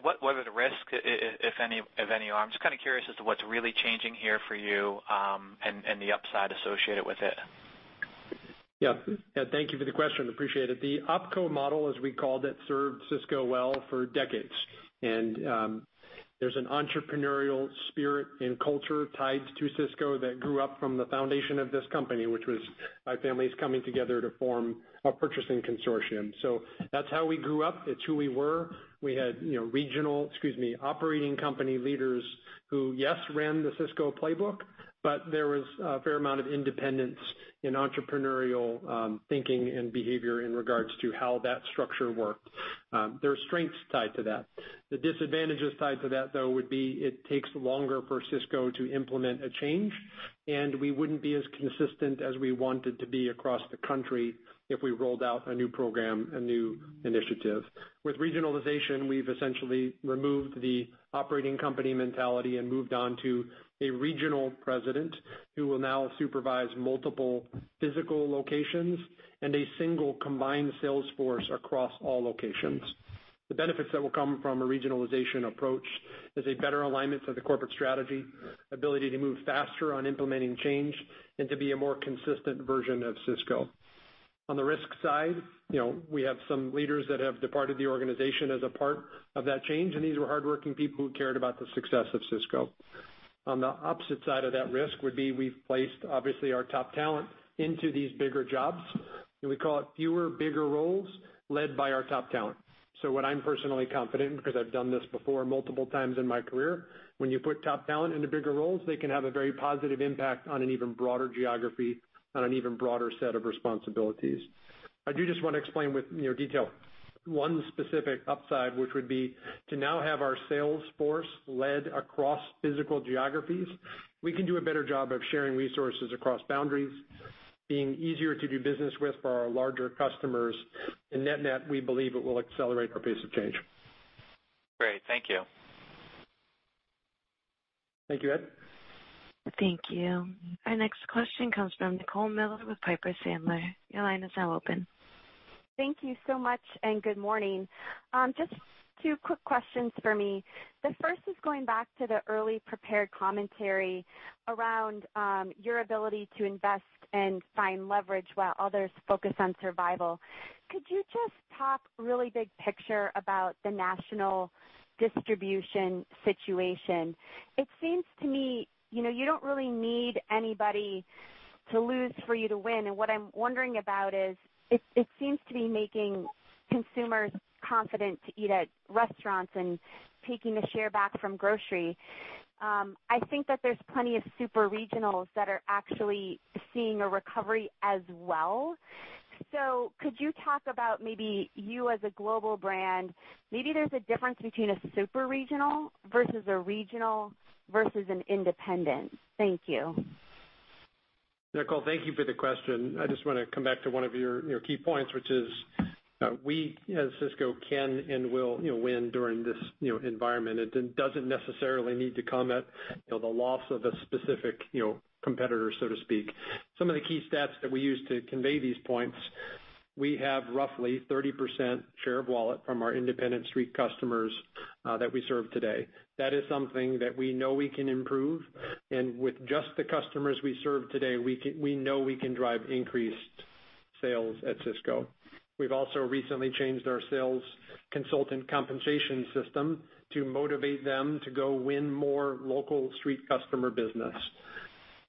what are the risks, if any? I'm just kind of curious as to what's really changing here for you, and the upside associated with it. Yeah. Thank you for the question. Appreciate it. The OpCo model, as we called it, served Sysco well for decades. There's an entrepreneurial spirit and culture tied to Sysco that grew up from the foundation of this company, which was five families coming together to form a purchasing consortium. That's how we grew up. It's who we were. We had regional, excuse me, operating company leaders who, yes, ran the Sysco playbook, but there was a fair amount of independence in entrepreneurial thinking and behavior in regards to how that structure worked. There are strengths tied to that. The disadvantages tied to that, though, would be it takes longer for Sysco to implement a change, and we wouldn't be as consistent as we wanted to be across the country if we rolled out a new program, a new initiative. With regionalization, we've essentially removed the operating company mentality and moved on to a regional president who will now supervise multiple physical locations and a single combined sales force across all locations. The benefits that will come from a regionalization approach is a better alignment of the corporate strategy, ability to move faster on implementing change, and to be a more consistent version of Sysco. On the risk side, we have some leaders that have departed the organization as a part of that change, and these were hardworking people who cared about the success of Sysco. On the opposite side of that risk would be we've placed, obviously our top talent into these bigger jobs, and we call it fewer, bigger roles led by our top talent. What I'm personally confident, because I've done this before multiple times in my career, when you put top talent into bigger roles, they can have a very positive impact on an even broader geography, on an even broader set of responsibilities. I do just want to explain with detail one specific upside, which would be to now have our sales force led across physical geographies. We can do a better job of sharing resources across boundaries. Being easier to do business with for our larger customers. Net-net, we believe it will accelerate our pace of change. Great. Thank you. Thank you, Ed. Thank you. Our next question comes from Nicole Miller with Piper Sandler. Your line is now open. Thank you so much, and good morning. Just two quick questions for me. The first is going back to the early prepared commentary around your ability to invest and find leverage while others focus on survival. Could you just talk really big picture about the national distribution situation? It seems to me, you don't really need anybody to lose for you to win, and what I'm wondering about is, it seems to be making consumers confident to eat at restaurants and taking a share back from grocery. I think that there's plenty of super regionals that are actually seeing a recovery as well. Could you talk about maybe you as a global brand? Maybe there's a difference between a super regional versus a regional versus an independent. Thank you. Nicole, thank you for the question. I just want to come back to one of your key points, which is, we as Sysco can and will win during this environment. It doesn't necessarily need to come at the loss of a specific competitor, so to speak. Some of the key stats that we use to convey these points, we have roughly 30% share of wallet from our independent street customers that we serve today. That is something that we know we can improve, and with just the customers we serve today, we know we can drive increased sales at Sysco. We've also recently changed our sales consultant compensation system to motivate them to go win more local street customer business.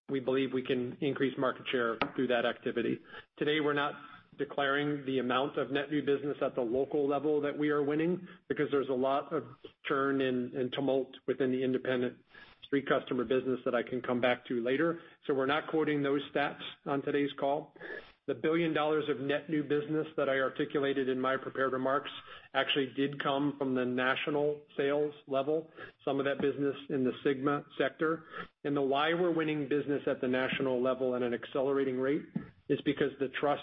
We believe we can increase market share through that activity. Today, we're not declaring the amount of net new business at the local level that we are winning because there's a lot of churn and tumult within the independent street customer business that I can come back to later. We're not quoting those stats on today's call. The $1 billion of net new business that I articulated in my prepared remarks actually did come from the national sales level, some of that business in the SYGMA sector. Why we're winning business at the national level at an accelerating rate is because the trust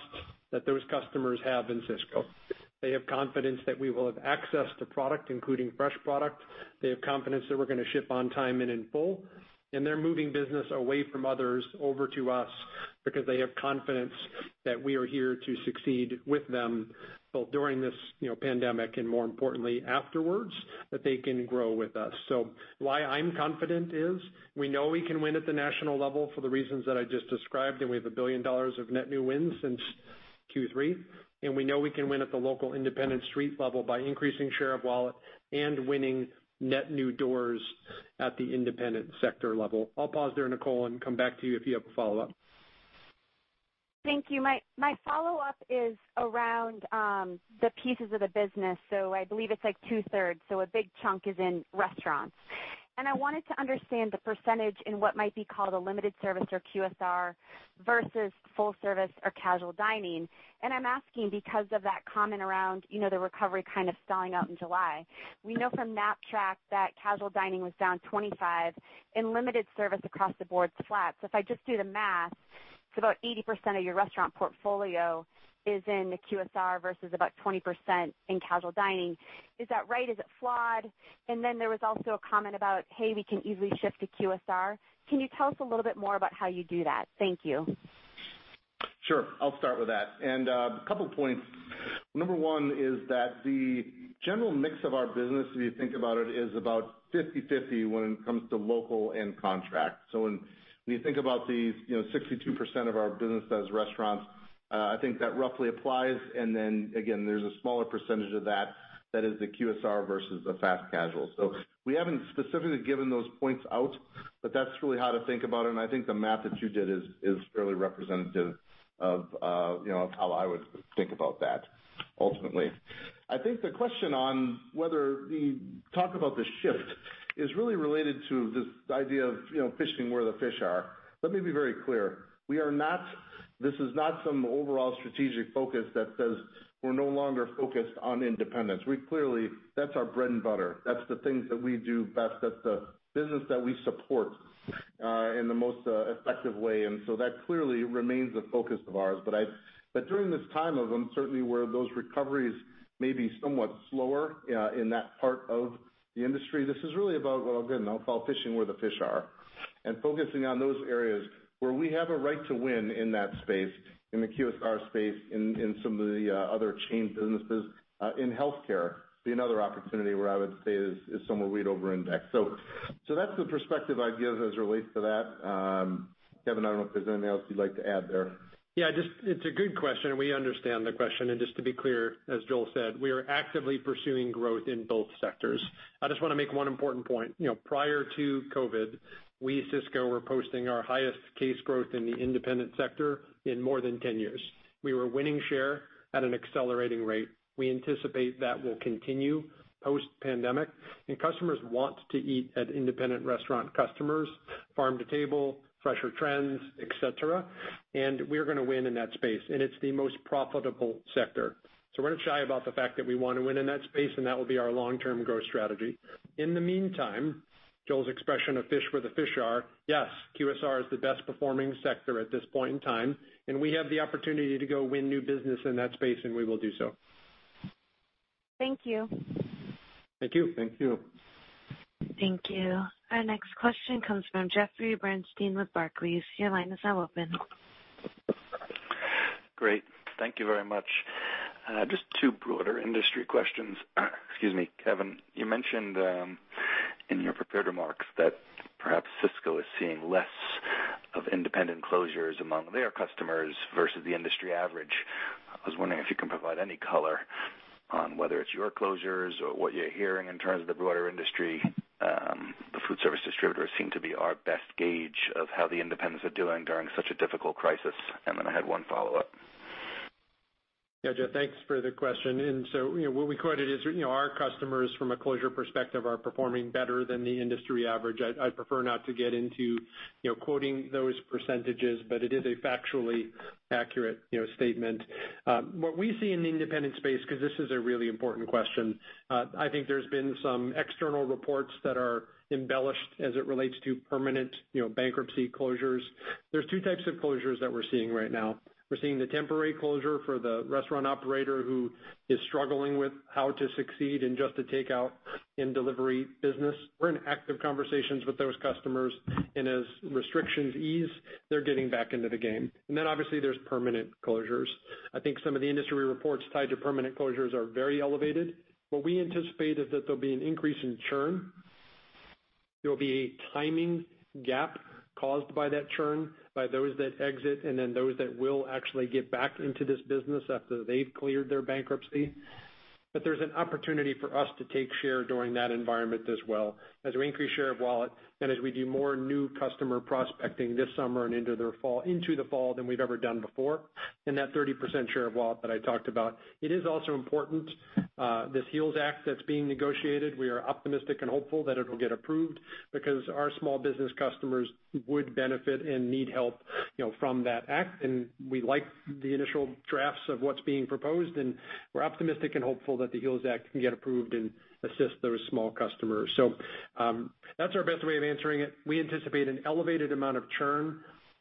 that those customers have in Sysco. They have confidence that we will have access to product, including fresh product. They have confidence that we're going to ship on time and in full. They're moving business away from others over to us because they have confidence that we are here to succeed with them, both during this pandemic and more importantly afterwards, that they can grow with us. Why I'm confident is we know we can win at the national level for the reasons that I just described, and we have $1 billion of net new wins since Q3. We know we can win at the local independent street level by increasing share of wallet and winning net new doors at the independent sector level. I'll pause there, Nicole, and come back to you if you have a follow-up. Thank you. My follow-up is around the pieces of the business. I believe it's 2/3, a big chunk is in restaurants. I wanted to understand the percentage in what might be called a limited service or QSR versus full service or casual dining. I'm asking because of that comment around the recovery kind of stalling out in July. We know from Maptrack that casual dining was down 25% and limited service across the board is flat. If I just do the math, so about 80% of your restaurant portfolio is in the QSR versus about 20% in casual dining. Is that right? Is it flawed? There was also a comment about, hey, we can easily shift to QSR. Can you tell us a little bit more about how you do that? Thank you. Sure. I'll start with that. A couple points. Number one is that the general mix of our business, if you think about it, is about 50/50 when it comes to local and contract. When you think about these 62% of our business as restaurants, I think that roughly applies, and then again, there's a smaller percentage of that is the QSR versus the fast casual. We haven't specifically given those points out, but that's really how to think about it, and I think the math that you did is fairly representative of how I would think about that, ultimately. I think the question on whether the talk about the shift is really related to this idea of fishing where the fish are. Let me be very clear. This is not some overall strategic focus that says we're no longer focused on independents. That's our bread and butter. That's the things that we do best. That's the business that we support in the most effective way. That clearly remains a focus of ours. During this time of uncertainty where those recoveries may be somewhat slower in that part of the industry, this is really about, again, I'll call fishing where the fish are and focusing on those areas where we have a right to win in that space, in the QSR space, in some of the other chain businesses. In healthcare, be another opportunity where I would say is somewhere we'd over-index. That's the perspective I'd give as it relates to that. Kevin, I don't know if there's anything else you'd like to add there. Yeah, it's a good question and we understand the question. Just to be clear, as Joel said, we are actively pursuing growth in both sectors. I just want to make one important point. Prior to COVID, we at Sysco were posting our highest case growth in the independent sector in more than 10 years. We were winning share at an accelerating rate. We anticipate that will continue post pandemic, and customers want to eat at independent restaurant customers, farm to table, fresher trends, et cetera. We're going to win in that space, and it's the most profitable sector. We're not shy about the fact that we want to win in that space, and that will be our long-term growth strategy. In the meantime, Joel's expression of fish where the fish are, yes, QSR is the best performing sector at this point in time, and we have the opportunity to go win new business in that space, and we will do so. Thank you. Thank you. Thank you. Thank you. Our next question comes from Jeffrey Bernstein with Barclays. Great. Thank you very much. Just two broader industry questions. Excuse me. Kevin, you mentioned in your prepared remarks that perhaps Sysco is seeing less of independent closures among their customers versus the industry average. I was wondering if you can provide any color on whether it's your closures or what you're hearing in terms of the broader industry. The Foodservice distributors seem to be our best gauge of how the independents are doing during such a difficult crisis. Then I had one follow-up. Yeah, Jeff, thanks for the question. What we quoted is our customers, from a closure perspective, are performing better than the industry average. I'd prefer not to get into quoting those percentages, but it is a factually accurate statement. What we see in the independent space, because this is a really important question. I think there's been some external reports that are embellished as it relates to permanent bankruptcy closures. There's two types of closures that we're seeing right now. We're seeing the temporary closure for the restaurant operator who is struggling with how to succeed in just a takeout and delivery business. We're in active conversations with those customers, and as restrictions ease, they're getting back into the game. Obviously there's permanent closures. I think some of the industry reports tied to permanent closures are very elevated. What we anticipate is that there'll be an increase in churn. There will be a timing gap caused by that churn by those that exit and then those that will actually get back into this business after they've cleared their bankruptcy. There's an opportunity for us to take share during that environment as well as we increase share of wallet and as we do more new customer prospecting this summer and into the fall than we've ever done before. That 30% share of wallet that I talked about. It is also important, this HEALS Act that's being negotiated. We are optimistic and hopeful that it will get approved because our small business customers would benefit and need help from that act. We like the initial drafts of what's being proposed, and we're optimistic and hopeful that the HEALS Act can get approved and assist those small customers. That's our best way of answering it. We anticipate an elevated amount of churn.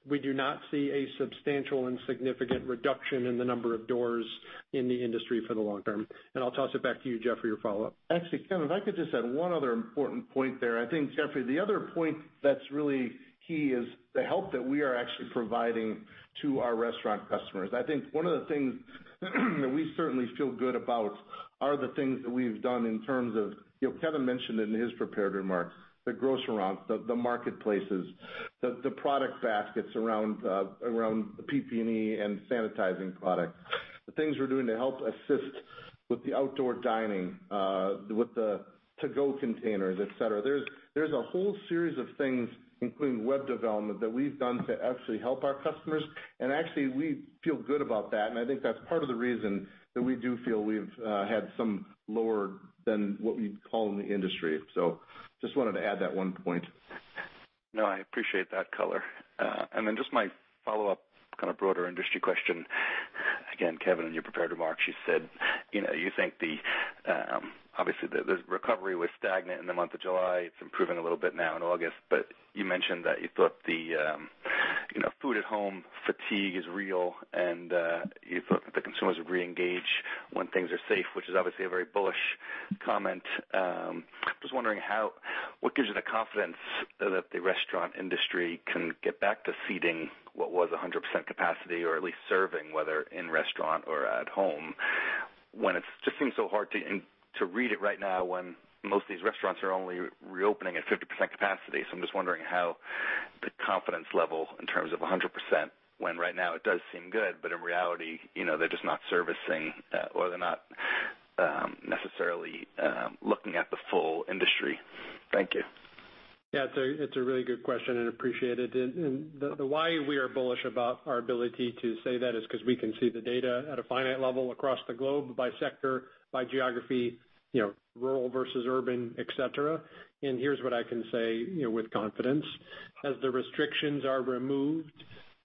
We do not see a substantial and significant reduction in the number of doors in the industry for the long-term. I'll toss it back to you, Jeff, for your follow-up. Actually, Kevin, if I could just add one other important point there. I think, Jeffrey, the other point that's really key is the help that we are actually providing to our restaurant customers. I think one of the things that we certainly feel good about are the things that we've done. Kevin mentioned in his prepared remarks, the grocer runs, the marketplaces, the product baskets around the PPE and sanitizing products. The things we're doing to help assist with the outdoor dining, with the to-go containers, et cetera. There's a whole series of things, including web development, that we've done to actually help our customers. Actually, we feel good about that, and I think that's part of the reason that we do feel we've had some lower than what we call in the industry. Just wanted to add that one point. No, I appreciate that color. Then just my follow-up kind of broader industry question. Again, Kevin, in your prepared remarks, you said you think obviously the recovery was stagnant in the month of July. It's improving a little bit now in August, but you mentioned that you thought the food at home fatigue is real and you thought that the consumers would reengage when things are safe, which is obviously a very bullish comment. Just wondering, what gives you the confidence that the restaurant industry can get back to seating what was 100% capacity or at least serving, whether in restaurant or at home, when it just seems so hard to read it right now when most of these restaurants are only reopening at 50% capacity. I'm just wondering how the confidence level in terms of 100%, when right now it does seem good, but in reality, they're just not servicing or they're not necessarily looking at the full industry. Thank you. Yeah. It's a really good question and appreciate it. The why we are bullish about our ability to say that is because we can see the data at a finite level across the globe by sector, by geography, rural versus urban, et cetera. Here's what I can say with confidence. As the restrictions are removed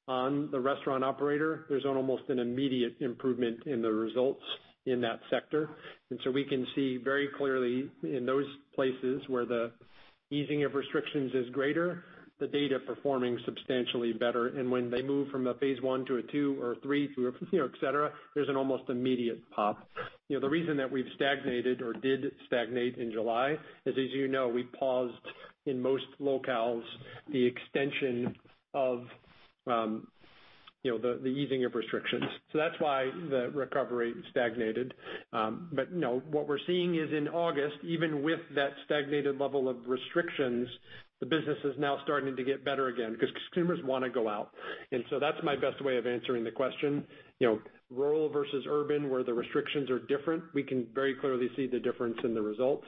on the restaurant operator, there's an almost an immediate improvement in the results in that sector. We can see very clearly in those places where the easing of restrictions is greater, the data performing substantially better. When they move from a phase I to a II or III, et cetera, there's an almost immediate pop. The reason that we've stagnated or did stagnate in July is, as you know, we paused in most locales the extension of the easing of restrictions. That's why the recovery stagnated. No, what we're seeing is in August, even with that stagnated level of restrictions, the business is now starting to get better again because consumers want to go out. That's my best way of answering the question. Rural versus urban, where the restrictions are different, we can very clearly see the difference in the results.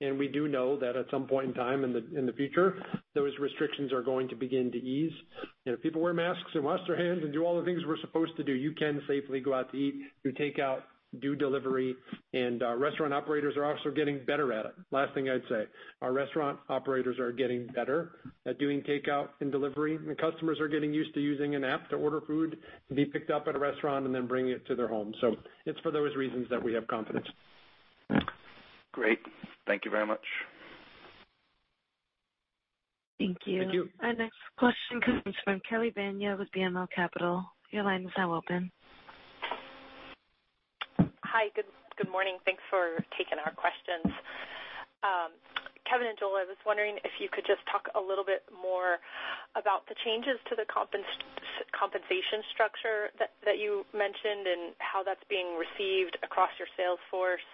We do know that at some point in time in the future, those restrictions are going to begin to ease. If people wear masks and wash their hands and do all the things we're supposed to do, you can safely go out to eat, do takeout, do delivery. Restaurant operators are also getting better at it. Last thing I'd say. Our restaurant operators are getting better at doing takeout and delivery. Customers are getting used to using an app to order food to be picked up at a restaurant and then bringing it to their home. It's for those reasons that we have confidence. Great. Thank you very much. Thank you. Thank you. Our next question comes from Kelly Bania with BMO Capital. Your line is now open. Hi, good morning. Thanks for taking our questions. Kevin and Joel, I was wondering if you could just talk a little bit more about the changes to the compensation structure that you mentioned, and how that's being received across your sales force.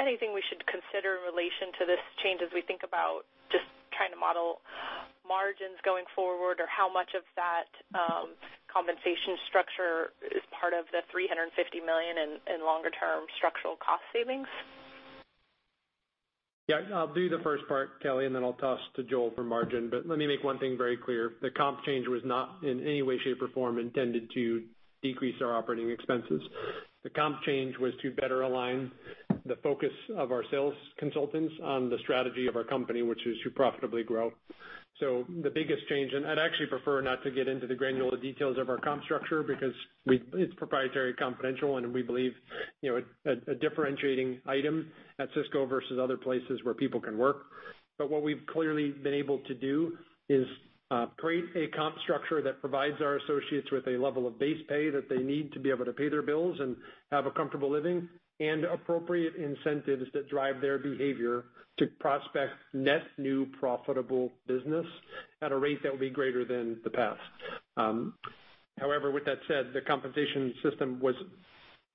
Anything we should consider in relation to this change as we think about just trying to model margins going forward, or how much of that compensation structure is part of the $350 million in longer-term structural cost savings? Yeah, I'll do the first part, Kelly, and then I'll toss to Joel for margin. Let me make one thing very clear. The comp change was not in any way, shape, or form intended to decrease our operating expenses. The comp change was to better align the focus of our sales consultants on the strategy of our company, which is to profitably grow. The biggest change, and I'd actually prefer not to get into the granular details of our comp structure because it's proprietary, confidential, and we believe a differentiating item at Sysco versus other places where people can work. What we've clearly been able to do is create a comp structure that provides our associates with a level of base pay that they need to be able to pay their bills and have a comfortable living, and appropriate incentives that drive their behavior to prospect net new profitable business at a rate that will be greater than the past. However, with that said, the compensation system was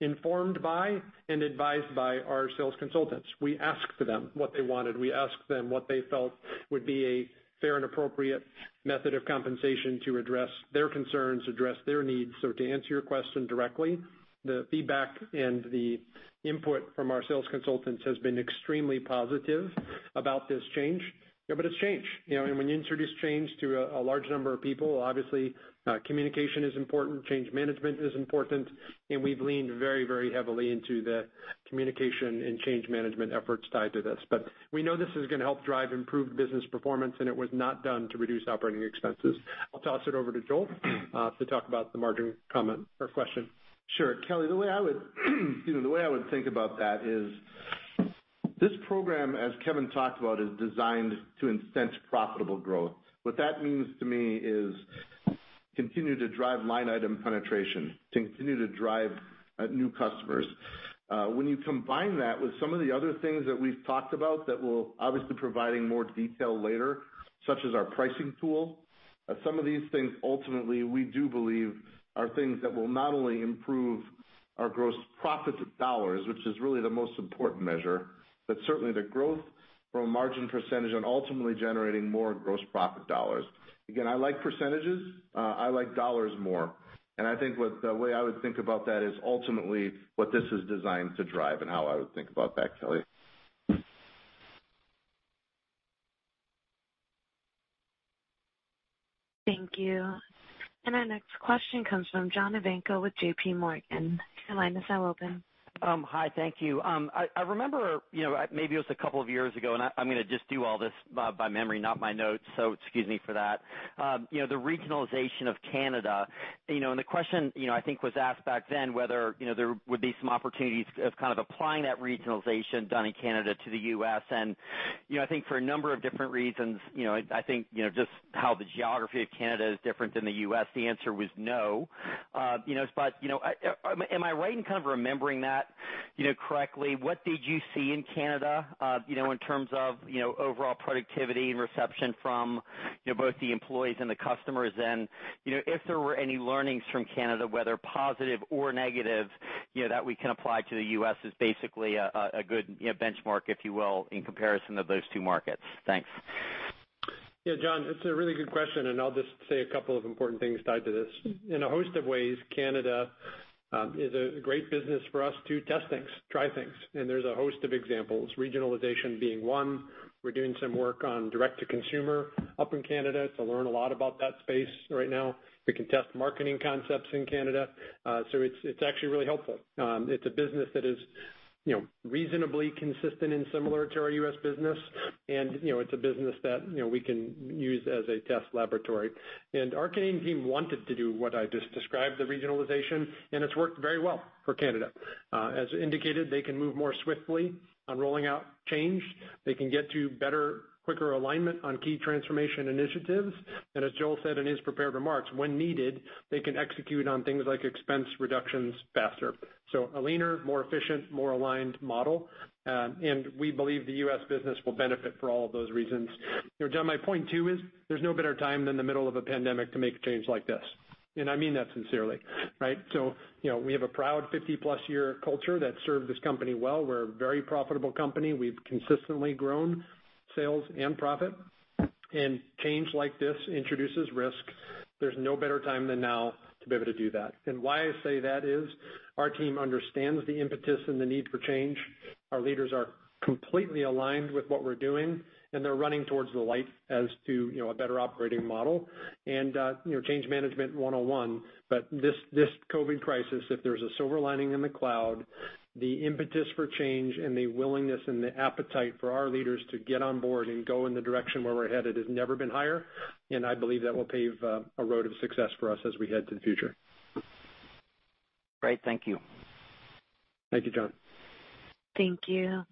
informed by and advised by our sales consultants. We asked them what they wanted. We asked them what they felt would be a fair and appropriate method of compensation to address their concerns, address their needs. To answer your question directly, the feedback and the input from our sales consultants has been extremely positive about this change. It's change, and when you introduce change to a large number of people, obviously, communication is important, change management is important, and we've leaned very heavily into the communication and change management efforts tied to this. We know this is gonna help drive improved business performance, and it was not done to reduce operating expenses. I'll toss it over to Joel to talk about the margin comment or question. Sure. Kelly, the way I would think about that is this program, as Kevin talked about, is designed to incent profitable growth. What that means to me is continue to drive line item penetration, continue to drive new customers. When you combine that with some of the other things that we've talked about that we'll obviously provide in more detail later, such as our pricing tool, some of these things ultimately, we do believe are things that will not only improve our gross profit dollars, which is really the most important measure, but certainly the growth from a margin percentage on ultimately generating more gross profit dollars. Again, I like percentages, I like dollars more. I think the way I would think about that is ultimately what this is designed to drive and how I would think about that, Kelly. Thank you. Our next question comes from John Ivankoe with JPMorgan. Your line is now open. Hi, thank you. I remember, maybe it was a couple of years ago, I'm gonna just do all this by memory, not my notes, so excuse me for that. The regionalization of Canada, the question I think was asked back then whether there would be some opportunities of kind of applying that regionalization done in Canada to the U.S. and I think for a number of different reasons, I think just how the geography of Canada is different than the U.S., the answer was no. Am I right in kind of remembering that correctly? What did you see in Canada, in terms of overall productivity and reception from both the employees and the customers? If there were any learnings from Canada, whether positive or negative, that we can apply to the U.S. as basically a good benchmark, if you will, in comparison of those two markets? Thanks. Yeah, John, it's a really good question. I'll just say a couple of important things tied to this. In a host of ways, Canada is a great business for us to test things, try things. There's a host of examples, regionalization being one. We're doing some work on direct to consumer up in Canada, to learn a lot about that space right now. We can test marketing concepts in Canada. It's actually really helpful. It's a business that is reasonably consistent and similar to our U.S. business. It's a business that we can use as a test laboratory. Our Canadian team wanted to do what I just described, the regionalization. It's worked very well for Canada. As indicated, they can move more swiftly on rolling out change. They can get to better, quicker alignment on key transformation initiatives. As Joel said in his prepared remarks, when needed, they can execute on things like expense reductions faster. A leaner, more efficient, more aligned model. We believe the U.S. business will benefit for all of those reasons. John, my point too is there's no better time than the middle of a pandemic to make a change like this. I mean that sincerely, right? We have a proud 50+ year culture that served this company well. We're a very profitable company. We've consistently grown sales and profit. Change like this introduces risk. There's no better time than now to be able to do that. Why I say that is our team understands the impetus and the need for change. Our leaders are completely aligned with what we're doing, and they're running towards the light as to a better operating model and change management 101. This COVID crisis, if there's a silver lining in the cloud, the impetus for change and the willingness and the appetite for our leaders to get on board and go in the direction where we're headed has never been higher. I believe that will pave a road of success for us as we head to the future. Great. Thank you. Thank you, John. Thank you.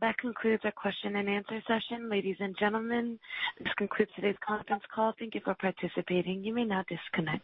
That concludes our question and answer session. Ladies and gentlemen, this concludes today's conference call. Thank you for participating. You may now disconnect.